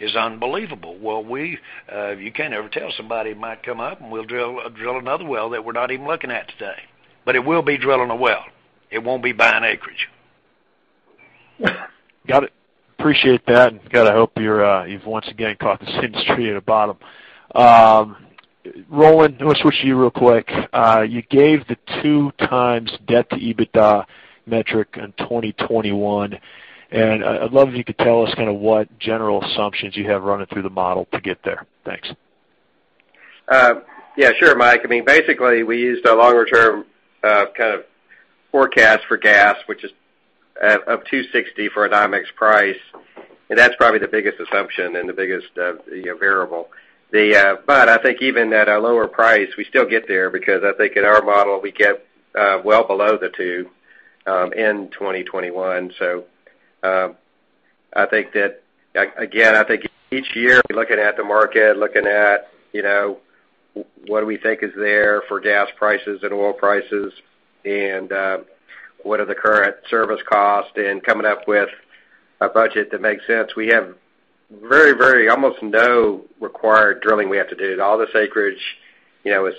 is unbelievable. You can't ever tell. Somebody might come up, and we'll drill another well that we're not even looking at today. It will be drilling a well. It won't be buying acreage. Got it. Appreciate that, and God, I hope you've once again caught the same tree at the bottom. Roland, I'm going to switch to you real quick. You gave the 2 times debt to EBITDA metric in 2021, and I'd love if you could tell us what general assumptions you have running through the model to get there. Thanks. Mike. Basically, we used a longer-term forecast for gas, which is of 260 for a NYMEX price, and that's probably the biggest assumption and the biggest variable. I think even at a lower price, we still get there because I think in our model, we get well below the 2 in 2021. I think that, again, I think each year we're looking at the market, looking at what we think is there for gas prices and oil prices, and what are the current service cost and coming up with a budget that makes sense. We have almost no required drilling we have to do. All this acreage is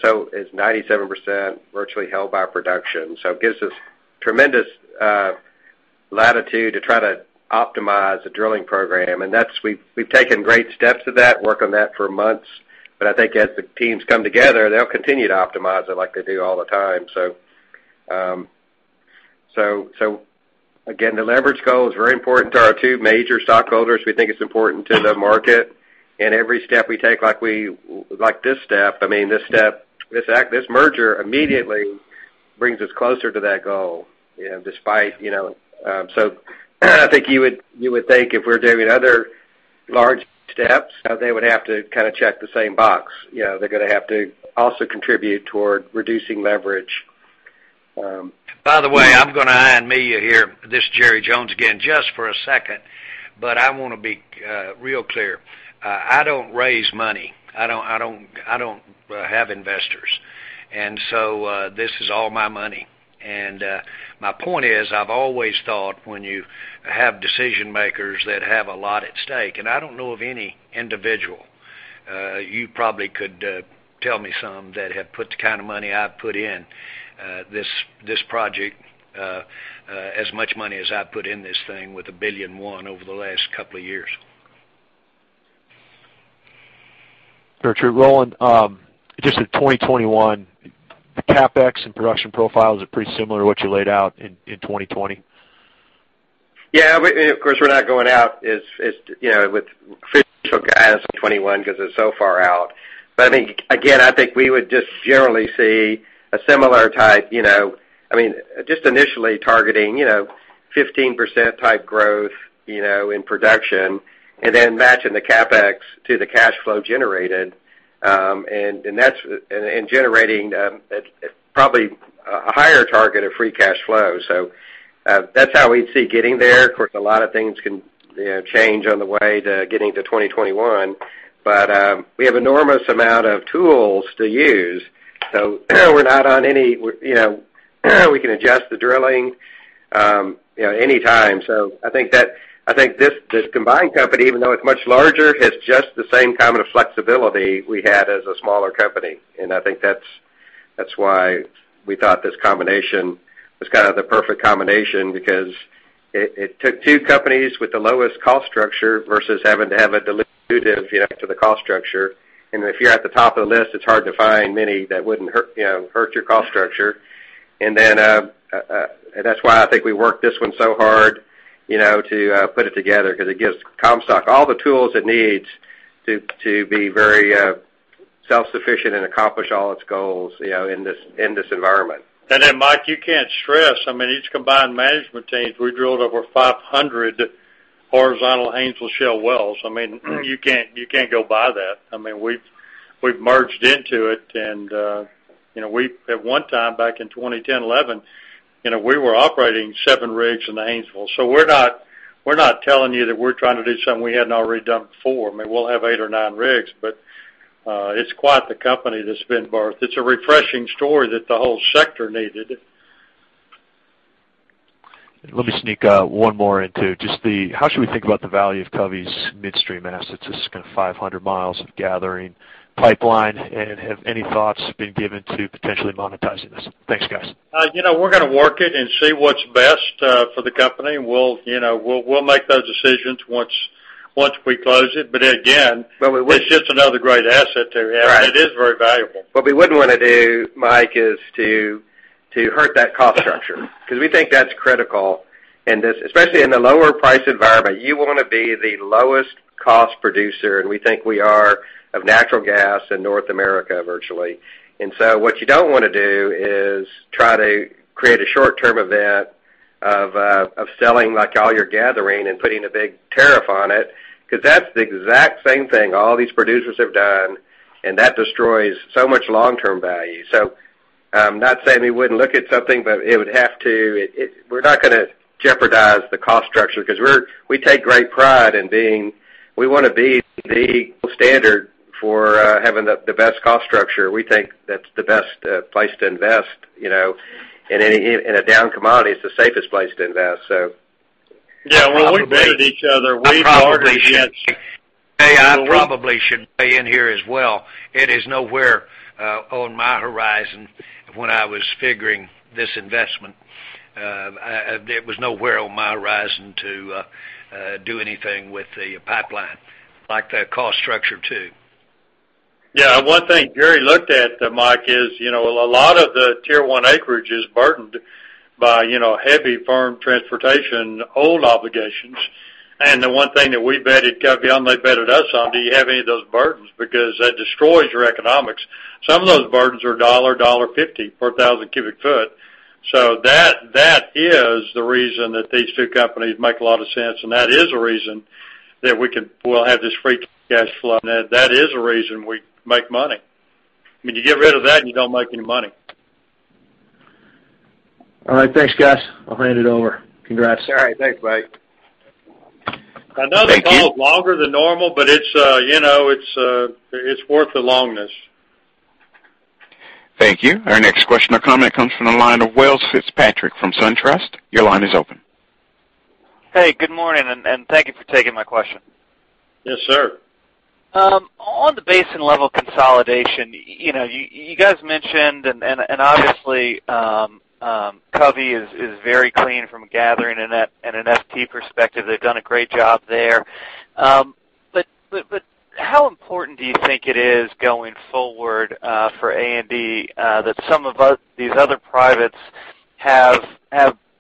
97% virtually held by production. It gives us tremendous latitude to try to optimize the drilling program. We've taken great steps to that, worked on that for months. I think as the teams come together, they'll continue to optimize it like they do all the time. Again, the leverage goal is very important to our two major stockholders. We think it's important to the market. Every step we take, like this step, this merger immediately brings us closer to that goal. I think you would think if we're doing other large steps, they would have to check the same box. They're going to have to also contribute toward reducing leverage. By the way, I'm going to unmute here, this is Jerry Jones again, just for a second, but I want to be real clear. I don't raise money. I don't have investors. This is all my money. My point is, I've always thought when you have decision makers that have a lot at stake, and I don't know of any individual, you probably could tell me some that have put the kind of money I've put in this project, as much money as I put in this thing with $1 billion and $1 over the last couple of years. Roland, just in 2021, the CapEx and production profiles are pretty similar to what you laid out in 2020? Yeah. Of course, we're not going out with official guidance 2021 because it's so far out. I think, again, I think we would just generally see a similar type, just initially targeting 15% type growth in production, and then matching the CapEx to the cash flow generated, and generating probably a higher target of free cash flow. That's how we'd see getting there. Of course, a lot of things can change on the way to getting to 2021. We have enormous amount of tools to use. We can adjust the drilling anytime. I think this combined company, even though it's much larger, has just the same kind of flexibility we had as a smaller company. I think that's why we thought this combination was the perfect combination because it took two companies with the lowest cost structure versus having to have a dilutive to the cost structure. If you're at the top of the list, it's hard to find many that wouldn't hurt your cost structure. That's why I think we worked this one so hard to put it together because it gives Comstock all the tools it needs to be very self-sufficient and accomplish all its goals in this environment. Mike, you can't stress, each combined management teams, we drilled over 500 horizontal Haynesville Shale wells. You can't go by that. We've merged into it and at one time back in 2010, 2011, we were operating seven rigs in the Haynesville. We're not telling you that we're trying to do something we hadn't already done before. We'll have eight or nine rigs, but it's quite the company that's been birthed. It's a refreshing story that the whole sector needed. Let me sneak one more into. How should we think about the value of Covey's midstream assets? This is kind of 500 miles of gathering pipeline. Have any thoughts been given to potentially monetizing this? Thanks, guys. We're going to work it and see what's best for the company. We'll make those decisions once we close it. we would- it's just another great asset to have. Right. It is very valuable. What we wouldn't want to do, Mike, is to hurt that cost structure because we think that's critical, especially in the lower price environment. You want to be the lowest cost producer, and we think we are of natural gas in North America, virtually. What you don't want to do is try to create a short-term event of selling all your gathering and putting a big tariff on it because that's the exact same thing all these producers have done, and that destroys so much long-term value. I'm not saying we wouldn't look at something, but we're not going to jeopardize the cost structure because we take great pride, we want to be the standard for having the best cost structure. We think that's the best place to invest. In a down commodity, it's the safest place to invest. Yeah, when we vetted each other. I probably should say in here as well. It is nowhere on my horizon when I was figuring this investment. It was nowhere on my horizon to do anything with the pipeline, like the cost structure too. Yeah. One thing Jerry Jones looked at, Mike Kelly, is a lot of the tier 1 acreage is burdened by heavy firm transportation, old obligations. The one thing that we vetted Covey Park on, they vetted us on, do you have any of those burdens? Because that destroys your economics. Some of those burdens are $1, $1.50 per 1,000 cubic foot. That is the reason that these two companies make a lot of sense, and that is a reason that we'll have this free cash flow, and that is a reason we make money. When you get rid of that, you don't make any money. All right. Thanks, guys. I'll hand it over. Congrats. All right. Thanks, Mike. Thank you. I know the call is longer than normal, it's worth the longness. Thank you. Our next question or comment comes from the line of Wells Fitzpatrick from SunTrust. Your line is open. Hey, good morning, and thank you for taking my question. Yes, sir. On the basin level consolidation, you guys mentioned, and obviously Covey is very clean from a gathering and an FT perspective. They've done a great job there. How important do you think it is going forward for A&D that some of these other privates have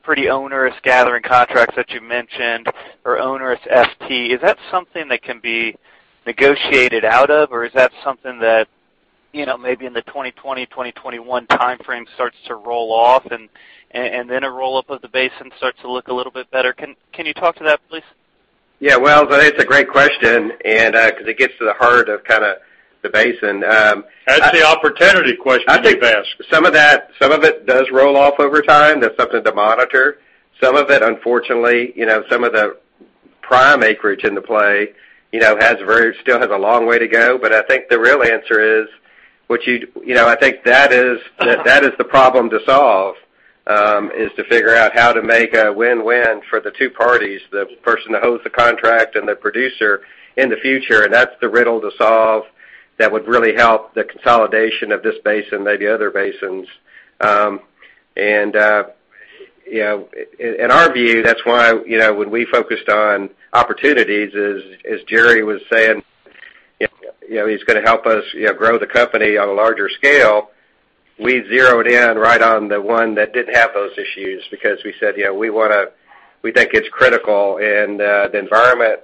pretty onerous gathering contracts that you mentioned or onerous FT? Is that something that can be negotiated out of, or is that something that maybe in the 2020, 2021 timeframe starts to roll off and then a roll-up of the basin starts to look a little bit better? Can you talk to that, please? Yeah, Wells, I think it's a great question because it gets to the heart of the basin. That's the opportunity question you've asked. Some of it does roll off over time. That's something to monitor. Some of it, unfortunately, some of the prime acreage in the play still has a long way to go. I think the real answer is, I think that is the problem to solve, is to figure out how to make a win-win for the two parties, the person that holds the contract and the producer in the future. That's the riddle to solve that would really help the consolidation of this basin, maybe other basins. In our view, that's why when we focused on opportunities, as Jerry was saying, he's going to help us grow the company on a larger scale. We zeroed in right on the one that didn't have those issues because we said we think it's critical in the environment,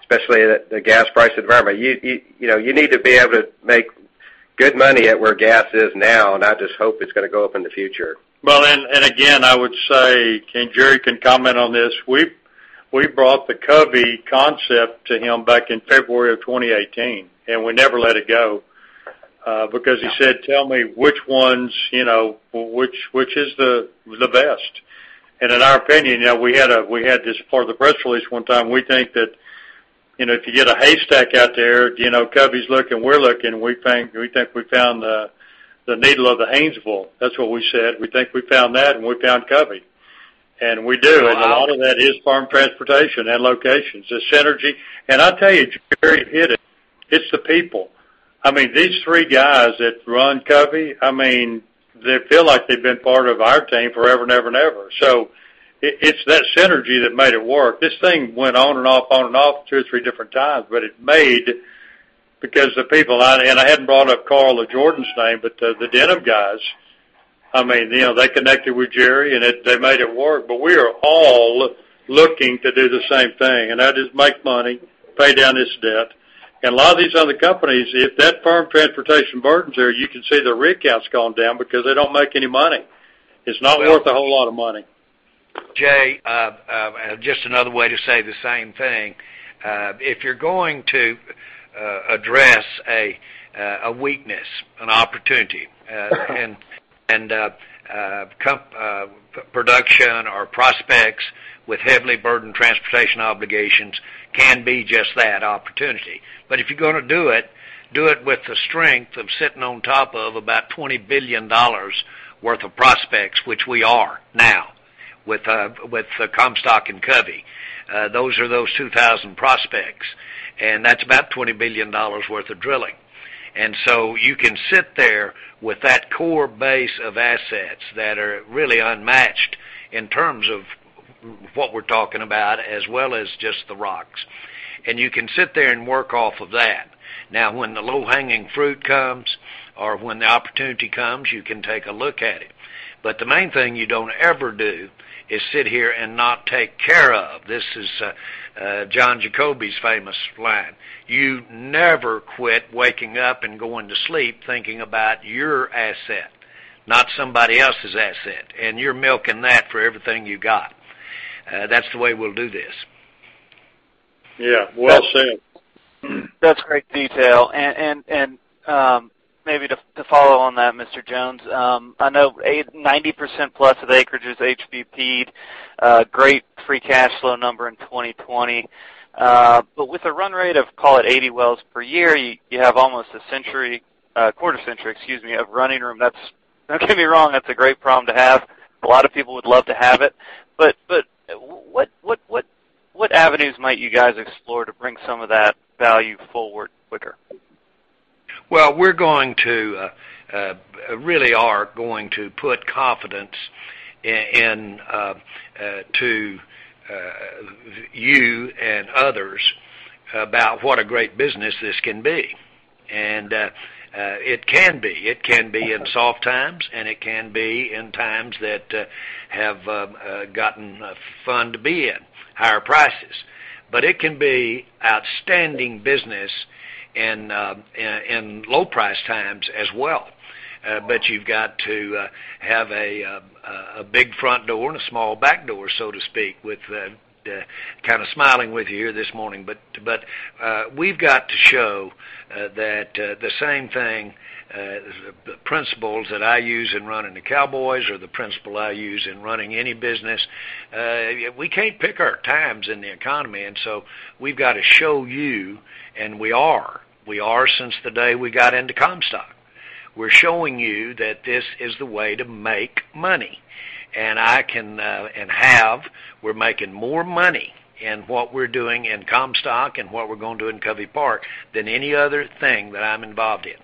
especially the gas price environment. You need to be able to make good money at where gas is now, not just hope it's going to go up in the future. Well, again, I would say, Jerry can comment on this, we brought the Covey concept to him back in February of 2018, we never let it go, because he said, "Tell me which one's the best?" In our opinion, we had this part of the press release one time. We think that if you get a haystack out there, Covey's looking, we're looking, we think we found the needle of the Haynesville. That's what we said. We think we found that, we found Covey. We do. Wow. A lot of that is firm transportation and locations. The synergy. I'll tell you, Jerry hit it. It's the people. These three guys that run Covey, they feel like they've been part of our team forever and ever and ever. It's that synergy that made it work. This thing went on and off, on and off two or three different times, but it made because the people. I hadn't brought up Carl or Jordan's name, but the Denham guys, they connected with Jerry, and they made it work. We are all looking to do the same thing, and that is make money, pay down this debt. A lot of these other companies, if that firm transportation burden's there, you can see their rig count's gone down because they don't make any money. It's not worth a whole lot of money. Jay, just another way to say the same thing. If you're going to address a weakness, an opportunity, and production or prospects with heavily burdened transportation obligations can be just that opportunity. If you're going to do it, do it with the strength of sitting on top of about $20 billion worth of prospects, which we are now with the Comstock and Covey. Those are those 2,000 prospects, and that's about $20 billion worth of drilling. You can sit there with that core base of assets that are really unmatched in terms of what we're talking about, as well as just the rocks. You can sit there and work off of that. When the low-hanging fruit comes or when the opportunity comes, you can take a look at it. The main thing you don't ever do is sit here and not take care of. This is John Jacobi's famous line. You never quit waking up and going to sleep thinking about your asset, not somebody else's asset, and you're milking that for everything you got. That's the way we'll do this. Yeah. Well said. That's great detail. Maybe to follow on that, Mr. Jones, I know 90%+ of acreage is HBP'd. Great free cash flow number in 2020. With a run rate of, call it, 80 wells per year, you have almost a century, a quarter century, excuse me, of running room. Don't get me wrong, that's a great problem to have. A lot of people would love to have it. What avenues might you guys explore to bring some of that value forward quicker? Well, we really are going to put confidence into you and others about what a great business this can be. It can be. It can be in soft times, and it can be in times that have gotten fun to be in, higher prices. It can be outstanding business in low price times as well. You've got to have a big front door and a small back door, so to speak. I'm smiling with you here this morning. We've got to show that the same thing, the principles that I use in running the Dallas Cowboys or the principle I use in running any business, we can't pick our times in the economy, we've got to show you, and we are. We are since the day we got into Comstock. We're showing you that this is the way to make money. We're making more money in what we're doing in Comstock and what we're going to do in Covey Park than any other thing that I'm involved in.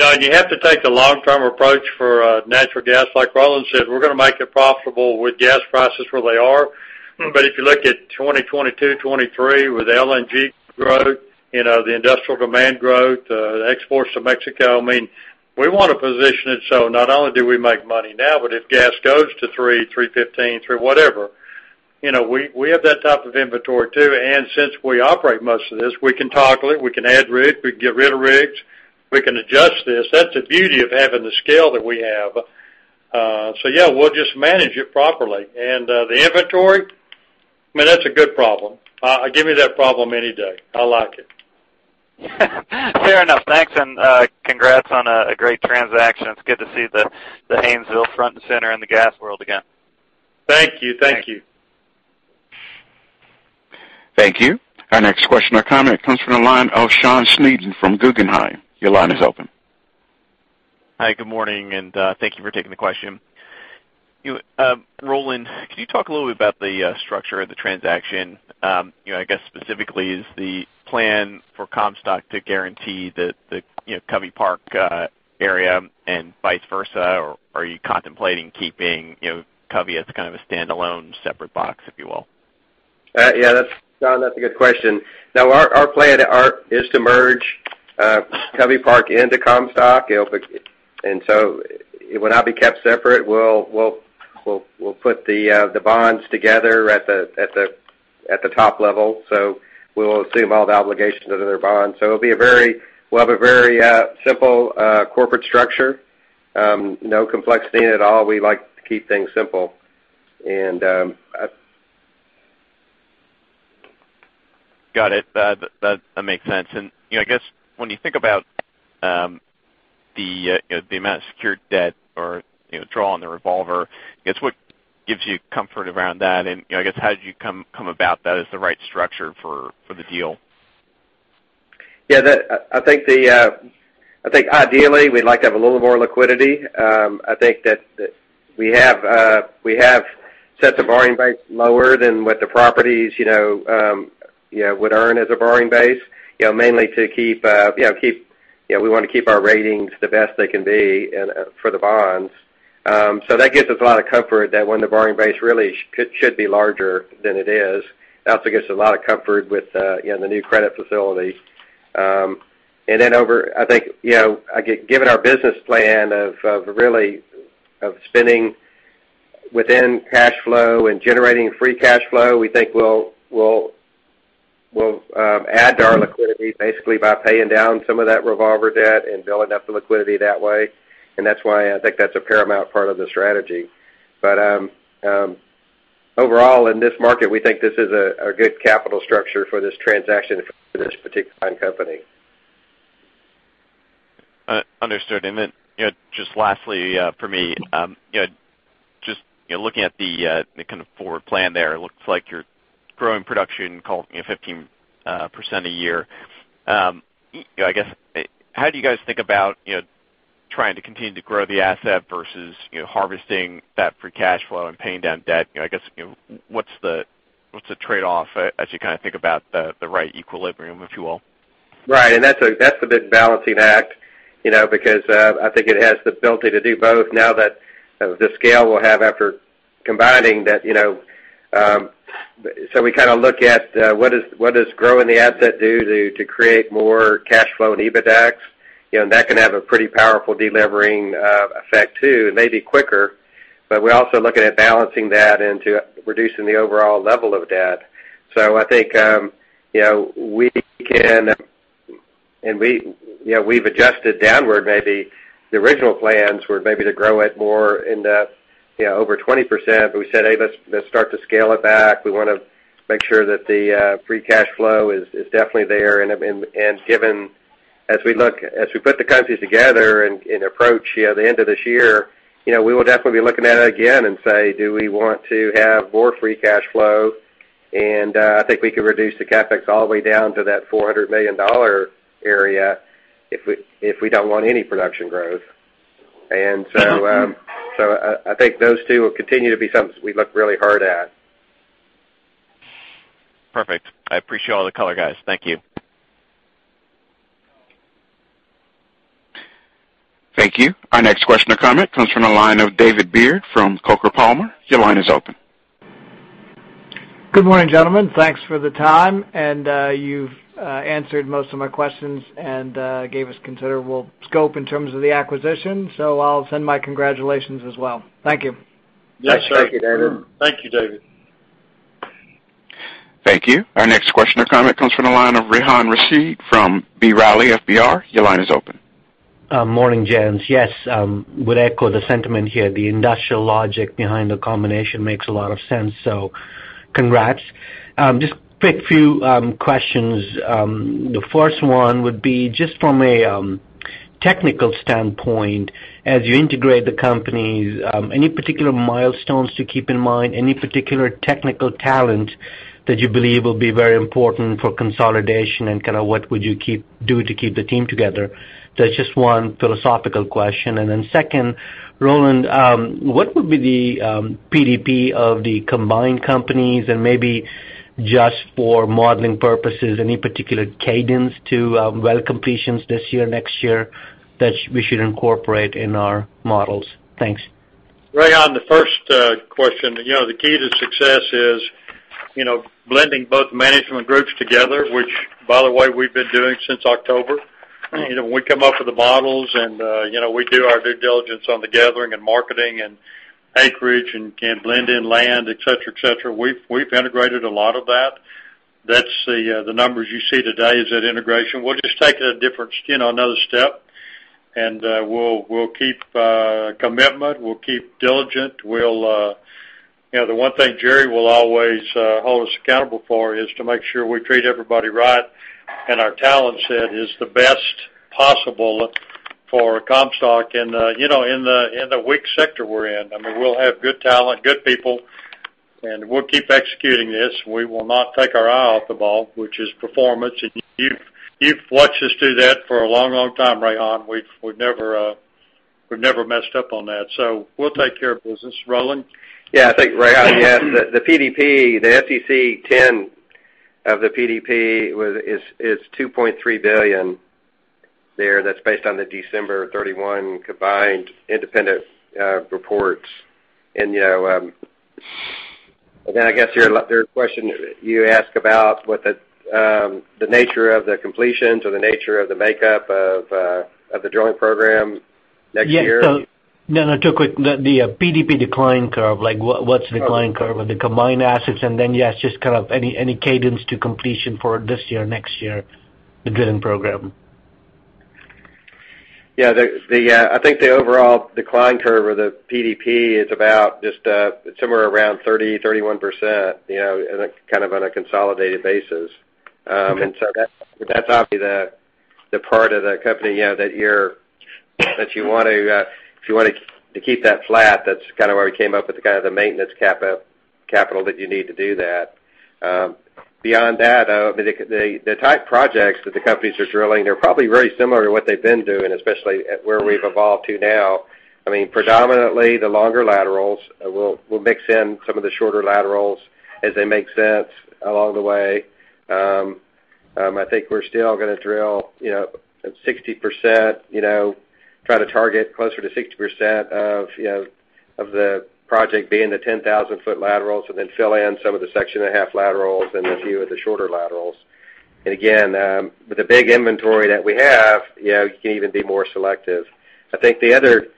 You have to take the long-term approach for natural gas. Like Roland said, we're going to make it profitable with gas prices where they are. If you look at 2022, 2023, with LNG growth, the industrial demand growth, the exports to Mexico, we want to position it so not only do we make money now, but if gas goes to $3, $3.15, three whatever. We have that type of inventory too. Since we operate most of this, we can toggle it. We can add rigs, we can get rid of rigs, we can adjust this. That's the beauty of having the scale that we have. Yeah, we'll just manage it properly. The inventory, that's a good problem. Give me that problem any day. I like it. Fair enough. Thanks and congrats on a great transaction. It's good to see the Haynesville front and center in the gas world again. Thank you. Thank you. Thank you. Our next question or comment comes from the line of Sean Sneeden from Guggenheim. Your line is open. Hi, good morning, and thank you for taking the question. Roland, could you talk a little bit about the structure of the transaction? I guess specifically, is the plan for Comstock to guarantee the Covey Park area and vice versa, or are you contemplating keeping Covey as kind of a standalone separate box, if you will? Yeah. Sean, that's a good question. Our plan is to merge Covey Park into Comstock, and so it will not be kept separate. We'll put the bonds together at the top level. We will assume all the obligations under their bonds. We'll have a very simple corporate structure. No complexity at all. We like to keep things simple. Got it. That makes sense. I guess when you think about the amount of secured debt or draw on the revolver, I guess, what gives you comfort around that, and I guess how did you come about that as the right structure for the deal? Yeah. I think ideally, we'd like to have a little more liquidity. I think that we have set the borrowing base lower than what the properties would earn as a borrowing base, mainly we want to keep our ratings the best they can be for the bonds. That gives us a lot of comfort that when the borrowing base really should be larger than it is. It also gives a lot of comfort with the new credit facility. Over, I think, given our business plan of spending within cash flow and generating free cash flow, we think we'll add to our liquidity basically by paying down some of that revolver debt and building up the liquidity that way. That's why I think that's a paramount part of the strategy. overall, in this market, we think this is a good capital structure for this transaction for this particular company. Understood. Lastly for me, just looking at the kind of forward plan there, looks like you're growing production call it 15% a year. I guess, how do you guys think about trying to continue to grow the asset versus harvesting that free cash flow and paying down debt? I guess, what's the trade-off as you think about the right equilibrium, if you will? Right. That's the big balancing act, because I think it has the ability to do both now that the scale we'll have after combining that. We look at what does growing the asset do to create more cash flow and EBITDAX? That can have a pretty powerful delevering effect too. It may be quicker, we're also looking at balancing that into reducing the overall level of debt. I think we've adjusted downward, maybe the original plans were maybe to grow it more over 20%, we said, "Hey, let's start to scale it back." We want to make sure that the free cash flow is definitely there. As we put the companies together and approach the end of this year, we will definitely be looking at it again and say, "Do we want to have more free cash flow?" I think we could reduce the CapEx all the way down to that $400 million area if we don't want any production growth. I think those two will continue to be something we look really hard at. Perfect. I appreciate all the color, guys. Thank you. Thank you. Our next question or comment comes from the line of David Beard from Coker & Palmer. Your line is open. Good morning, gentlemen. Thanks for the time, and you've answered most of my questions and gave us considerable scope in terms of the acquisition. I'll send my congratulations as well. Thank you. Yes, sir. Thank you, David. Thank you, David. Thank you. Our next question or comment comes from the line of Rehan Rashid from B. Riley FBR. Your line is open. Morning, gents. Yes, would echo the sentiment here. The industrial logic behind the combination makes a lot of sense. Congrats. Just quick few questions. The first one would be just from a technical standpoint, as you integrate the companies, any particular milestones to keep in mind? Any particular technical talent that you believe will be very important for consolidation? What would you do to keep the team together? That's just one philosophical question. Second, Roland, what would be the PDP of the combined companies and maybe just for modeling purposes, any particular cadence to well completions this year, next year that we should incorporate in our models? Thanks. Rehan, the first question, the key to success is blending both management groups together, which by the way, we've been doing since October. We come up with the models, and we do our due diligence on the gathering and marketing and acreage and blend in land, et cetera. We've integrated a lot of that. That's the numbers you see today is that integration. We'll just take it another step, and we'll keep commitment, we'll keep diligent. The one thing Jerry will always hold us accountable for is to make sure we treat everybody right, and our talent set is the best possible for Comstock in the weak sector we're in. I mean, we'll have good talent, good people, and we'll keep executing this. We will not take our eye off the ball, which is performance. You've watched us do that for a long time, Rehan. We've never messed up on that. We'll take care of business. Roland? I think, Rehan, yes, the PDP, the SEC 10 of the PDP is $2.3 billion there. That's based on the December 31 combined independent reports. I guess your question you ask about what the nature of the completions or the nature of the makeup of the joint program next year? Yeah. No, no, too quick. The PDP decline curve, what's the decline curve of the combined assets? Yes, just any cadence to completion for this year, next year, the drilling program. Yeah. I think the overall decline curve or the PDP is about just somewhere around 30%-31% in a consolidated basis. That's obviously the part of the company that if you want to keep that flat, that's where we came up with the maintenance capital that you need to do that. Beyond that, the type projects that the companies are drilling, they're probably very similar to what they've been doing, especially where we've evolved to now. I mean, predominantly the longer laterals. We'll mix in some of the shorter laterals as they make sense along the way. I think we're still going to drill at 60%, try to target closer to 60% of the project being the 10,000-foot laterals, fill in some of the section and a half laterals and a few of the shorter laterals. Again, with the big inventory that we have, you can even be more selective. I think the other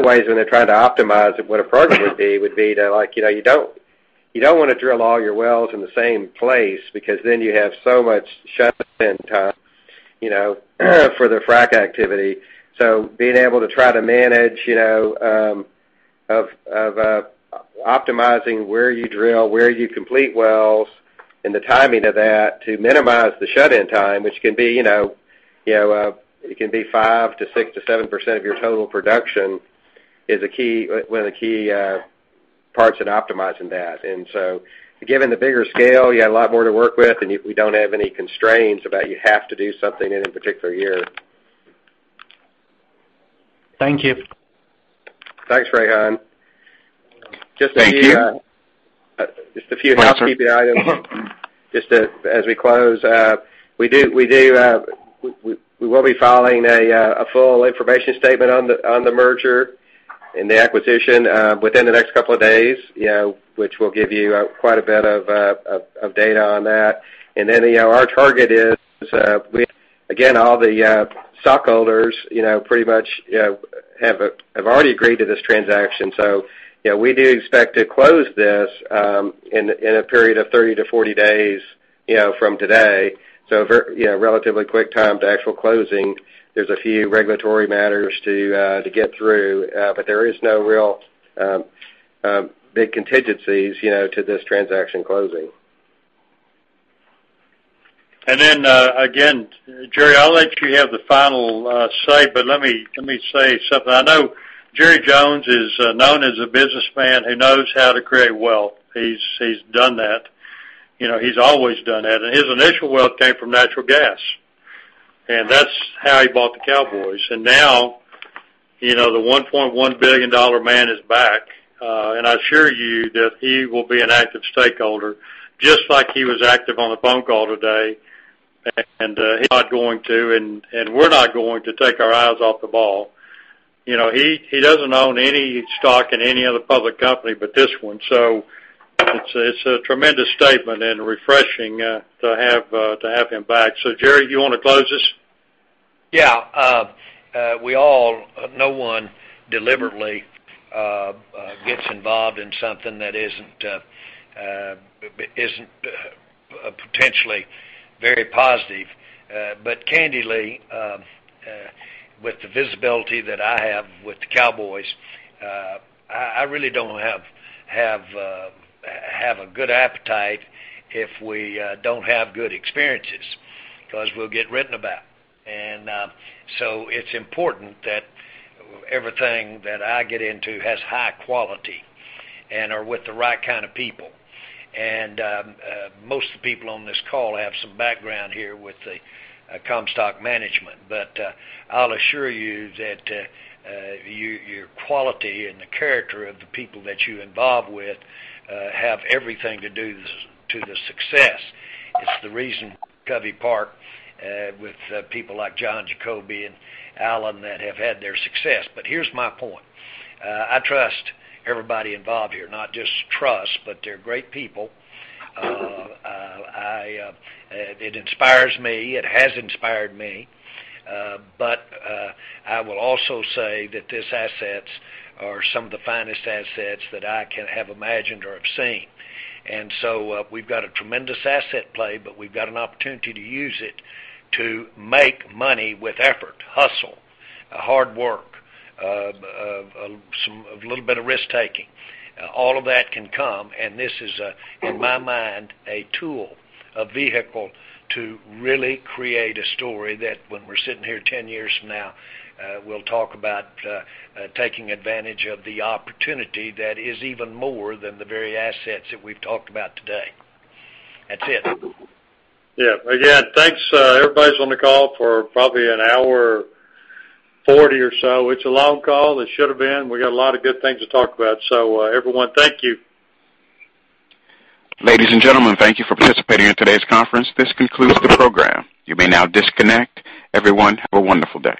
ways when they're trying to optimize what a project would be, would be to you don't want to drill all your wells in the same place because you have so much shut-in time for the frack activity. Being able to try to manage of optimizing where you drill, where you complete wells, and the timing of that to minimize the shut-in time, which it can be 5% to 6% to 7% of your total production is one of the key parts in optimizing that. Given the bigger scale, you got a lot more to work with, and we don't have any constraints about you have to do something in a particular year. Thank you. Thanks, Rehan. Thank you. Just a few housekeeping items just as we close. We will be filing a full information statement on the merger and the acquisition within the next couple of days, which will give you quite a bit of data on that. Our target is, again, all the stockholders pretty much have already agreed to this transaction. We do expect to close this in a period of 30-40 days from today. Relatively quick time to actual closing. There's a few regulatory matters to get through, there is no real big contingencies to this transaction closing. Again, Jerry, I'll let you have the final say, but let me say something. I know Jerry Jones is known as a businessman who knows how to create wealth. He's done that. He's always done that. His initial wealth came from natural gas, and that's how he bought the Cowboys. Now the $1.1 billion man is back. I assure you that he will be an active stakeholder, just like he was active on the phone call today. He's not going to, and we're not going to take our eyes off the ball. He doesn't own any stock in any other public company but this one. It's a tremendous statement and refreshing to have him back. Jerry, you want to close this? Yeah. No one deliberately gets involved in something that isn't potentially very positive. Candidly, with the visibility that I have with the Cowboys, I really don't have a good appetite if we don't have good experiences because we'll get written about. It's important that everything that I get into has high quality and are with the right kind of people. Most of the people on this call have some background here with the Comstock management. I'll assure you that your quality and the character of the people that you involve with have everything to do to the success. It's the reason Covey Park with people like John Jacobi and Alan that have had their success. Here's my point. I trust everybody involved here, not just trust, but they're great people. It inspires me. It has inspired me. I will also say that these assets are some of the finest assets that I can have imagined or have seen. We've got a tremendous asset play, but we've got an opportunity to use it to make money with effort, hustle, hard work, a little bit of risk-taking. All of that can come, and this is, in my mind, a tool, a vehicle to really create a story that when we're sitting here 10 years from now, we'll talk about taking advantage of the opportunity that is even more than the very assets that we've talked about today. That's it. Yeah. Again, thanks everybody's on the call for probably an hour 40 or so. It's a long call. It should've been. We got a lot of good things to talk about. Everyone, thank you. Ladies and gentlemen, thank you for participating in today's conference. This concludes the program. You may now disconnect. Everyone, have a wonderful day.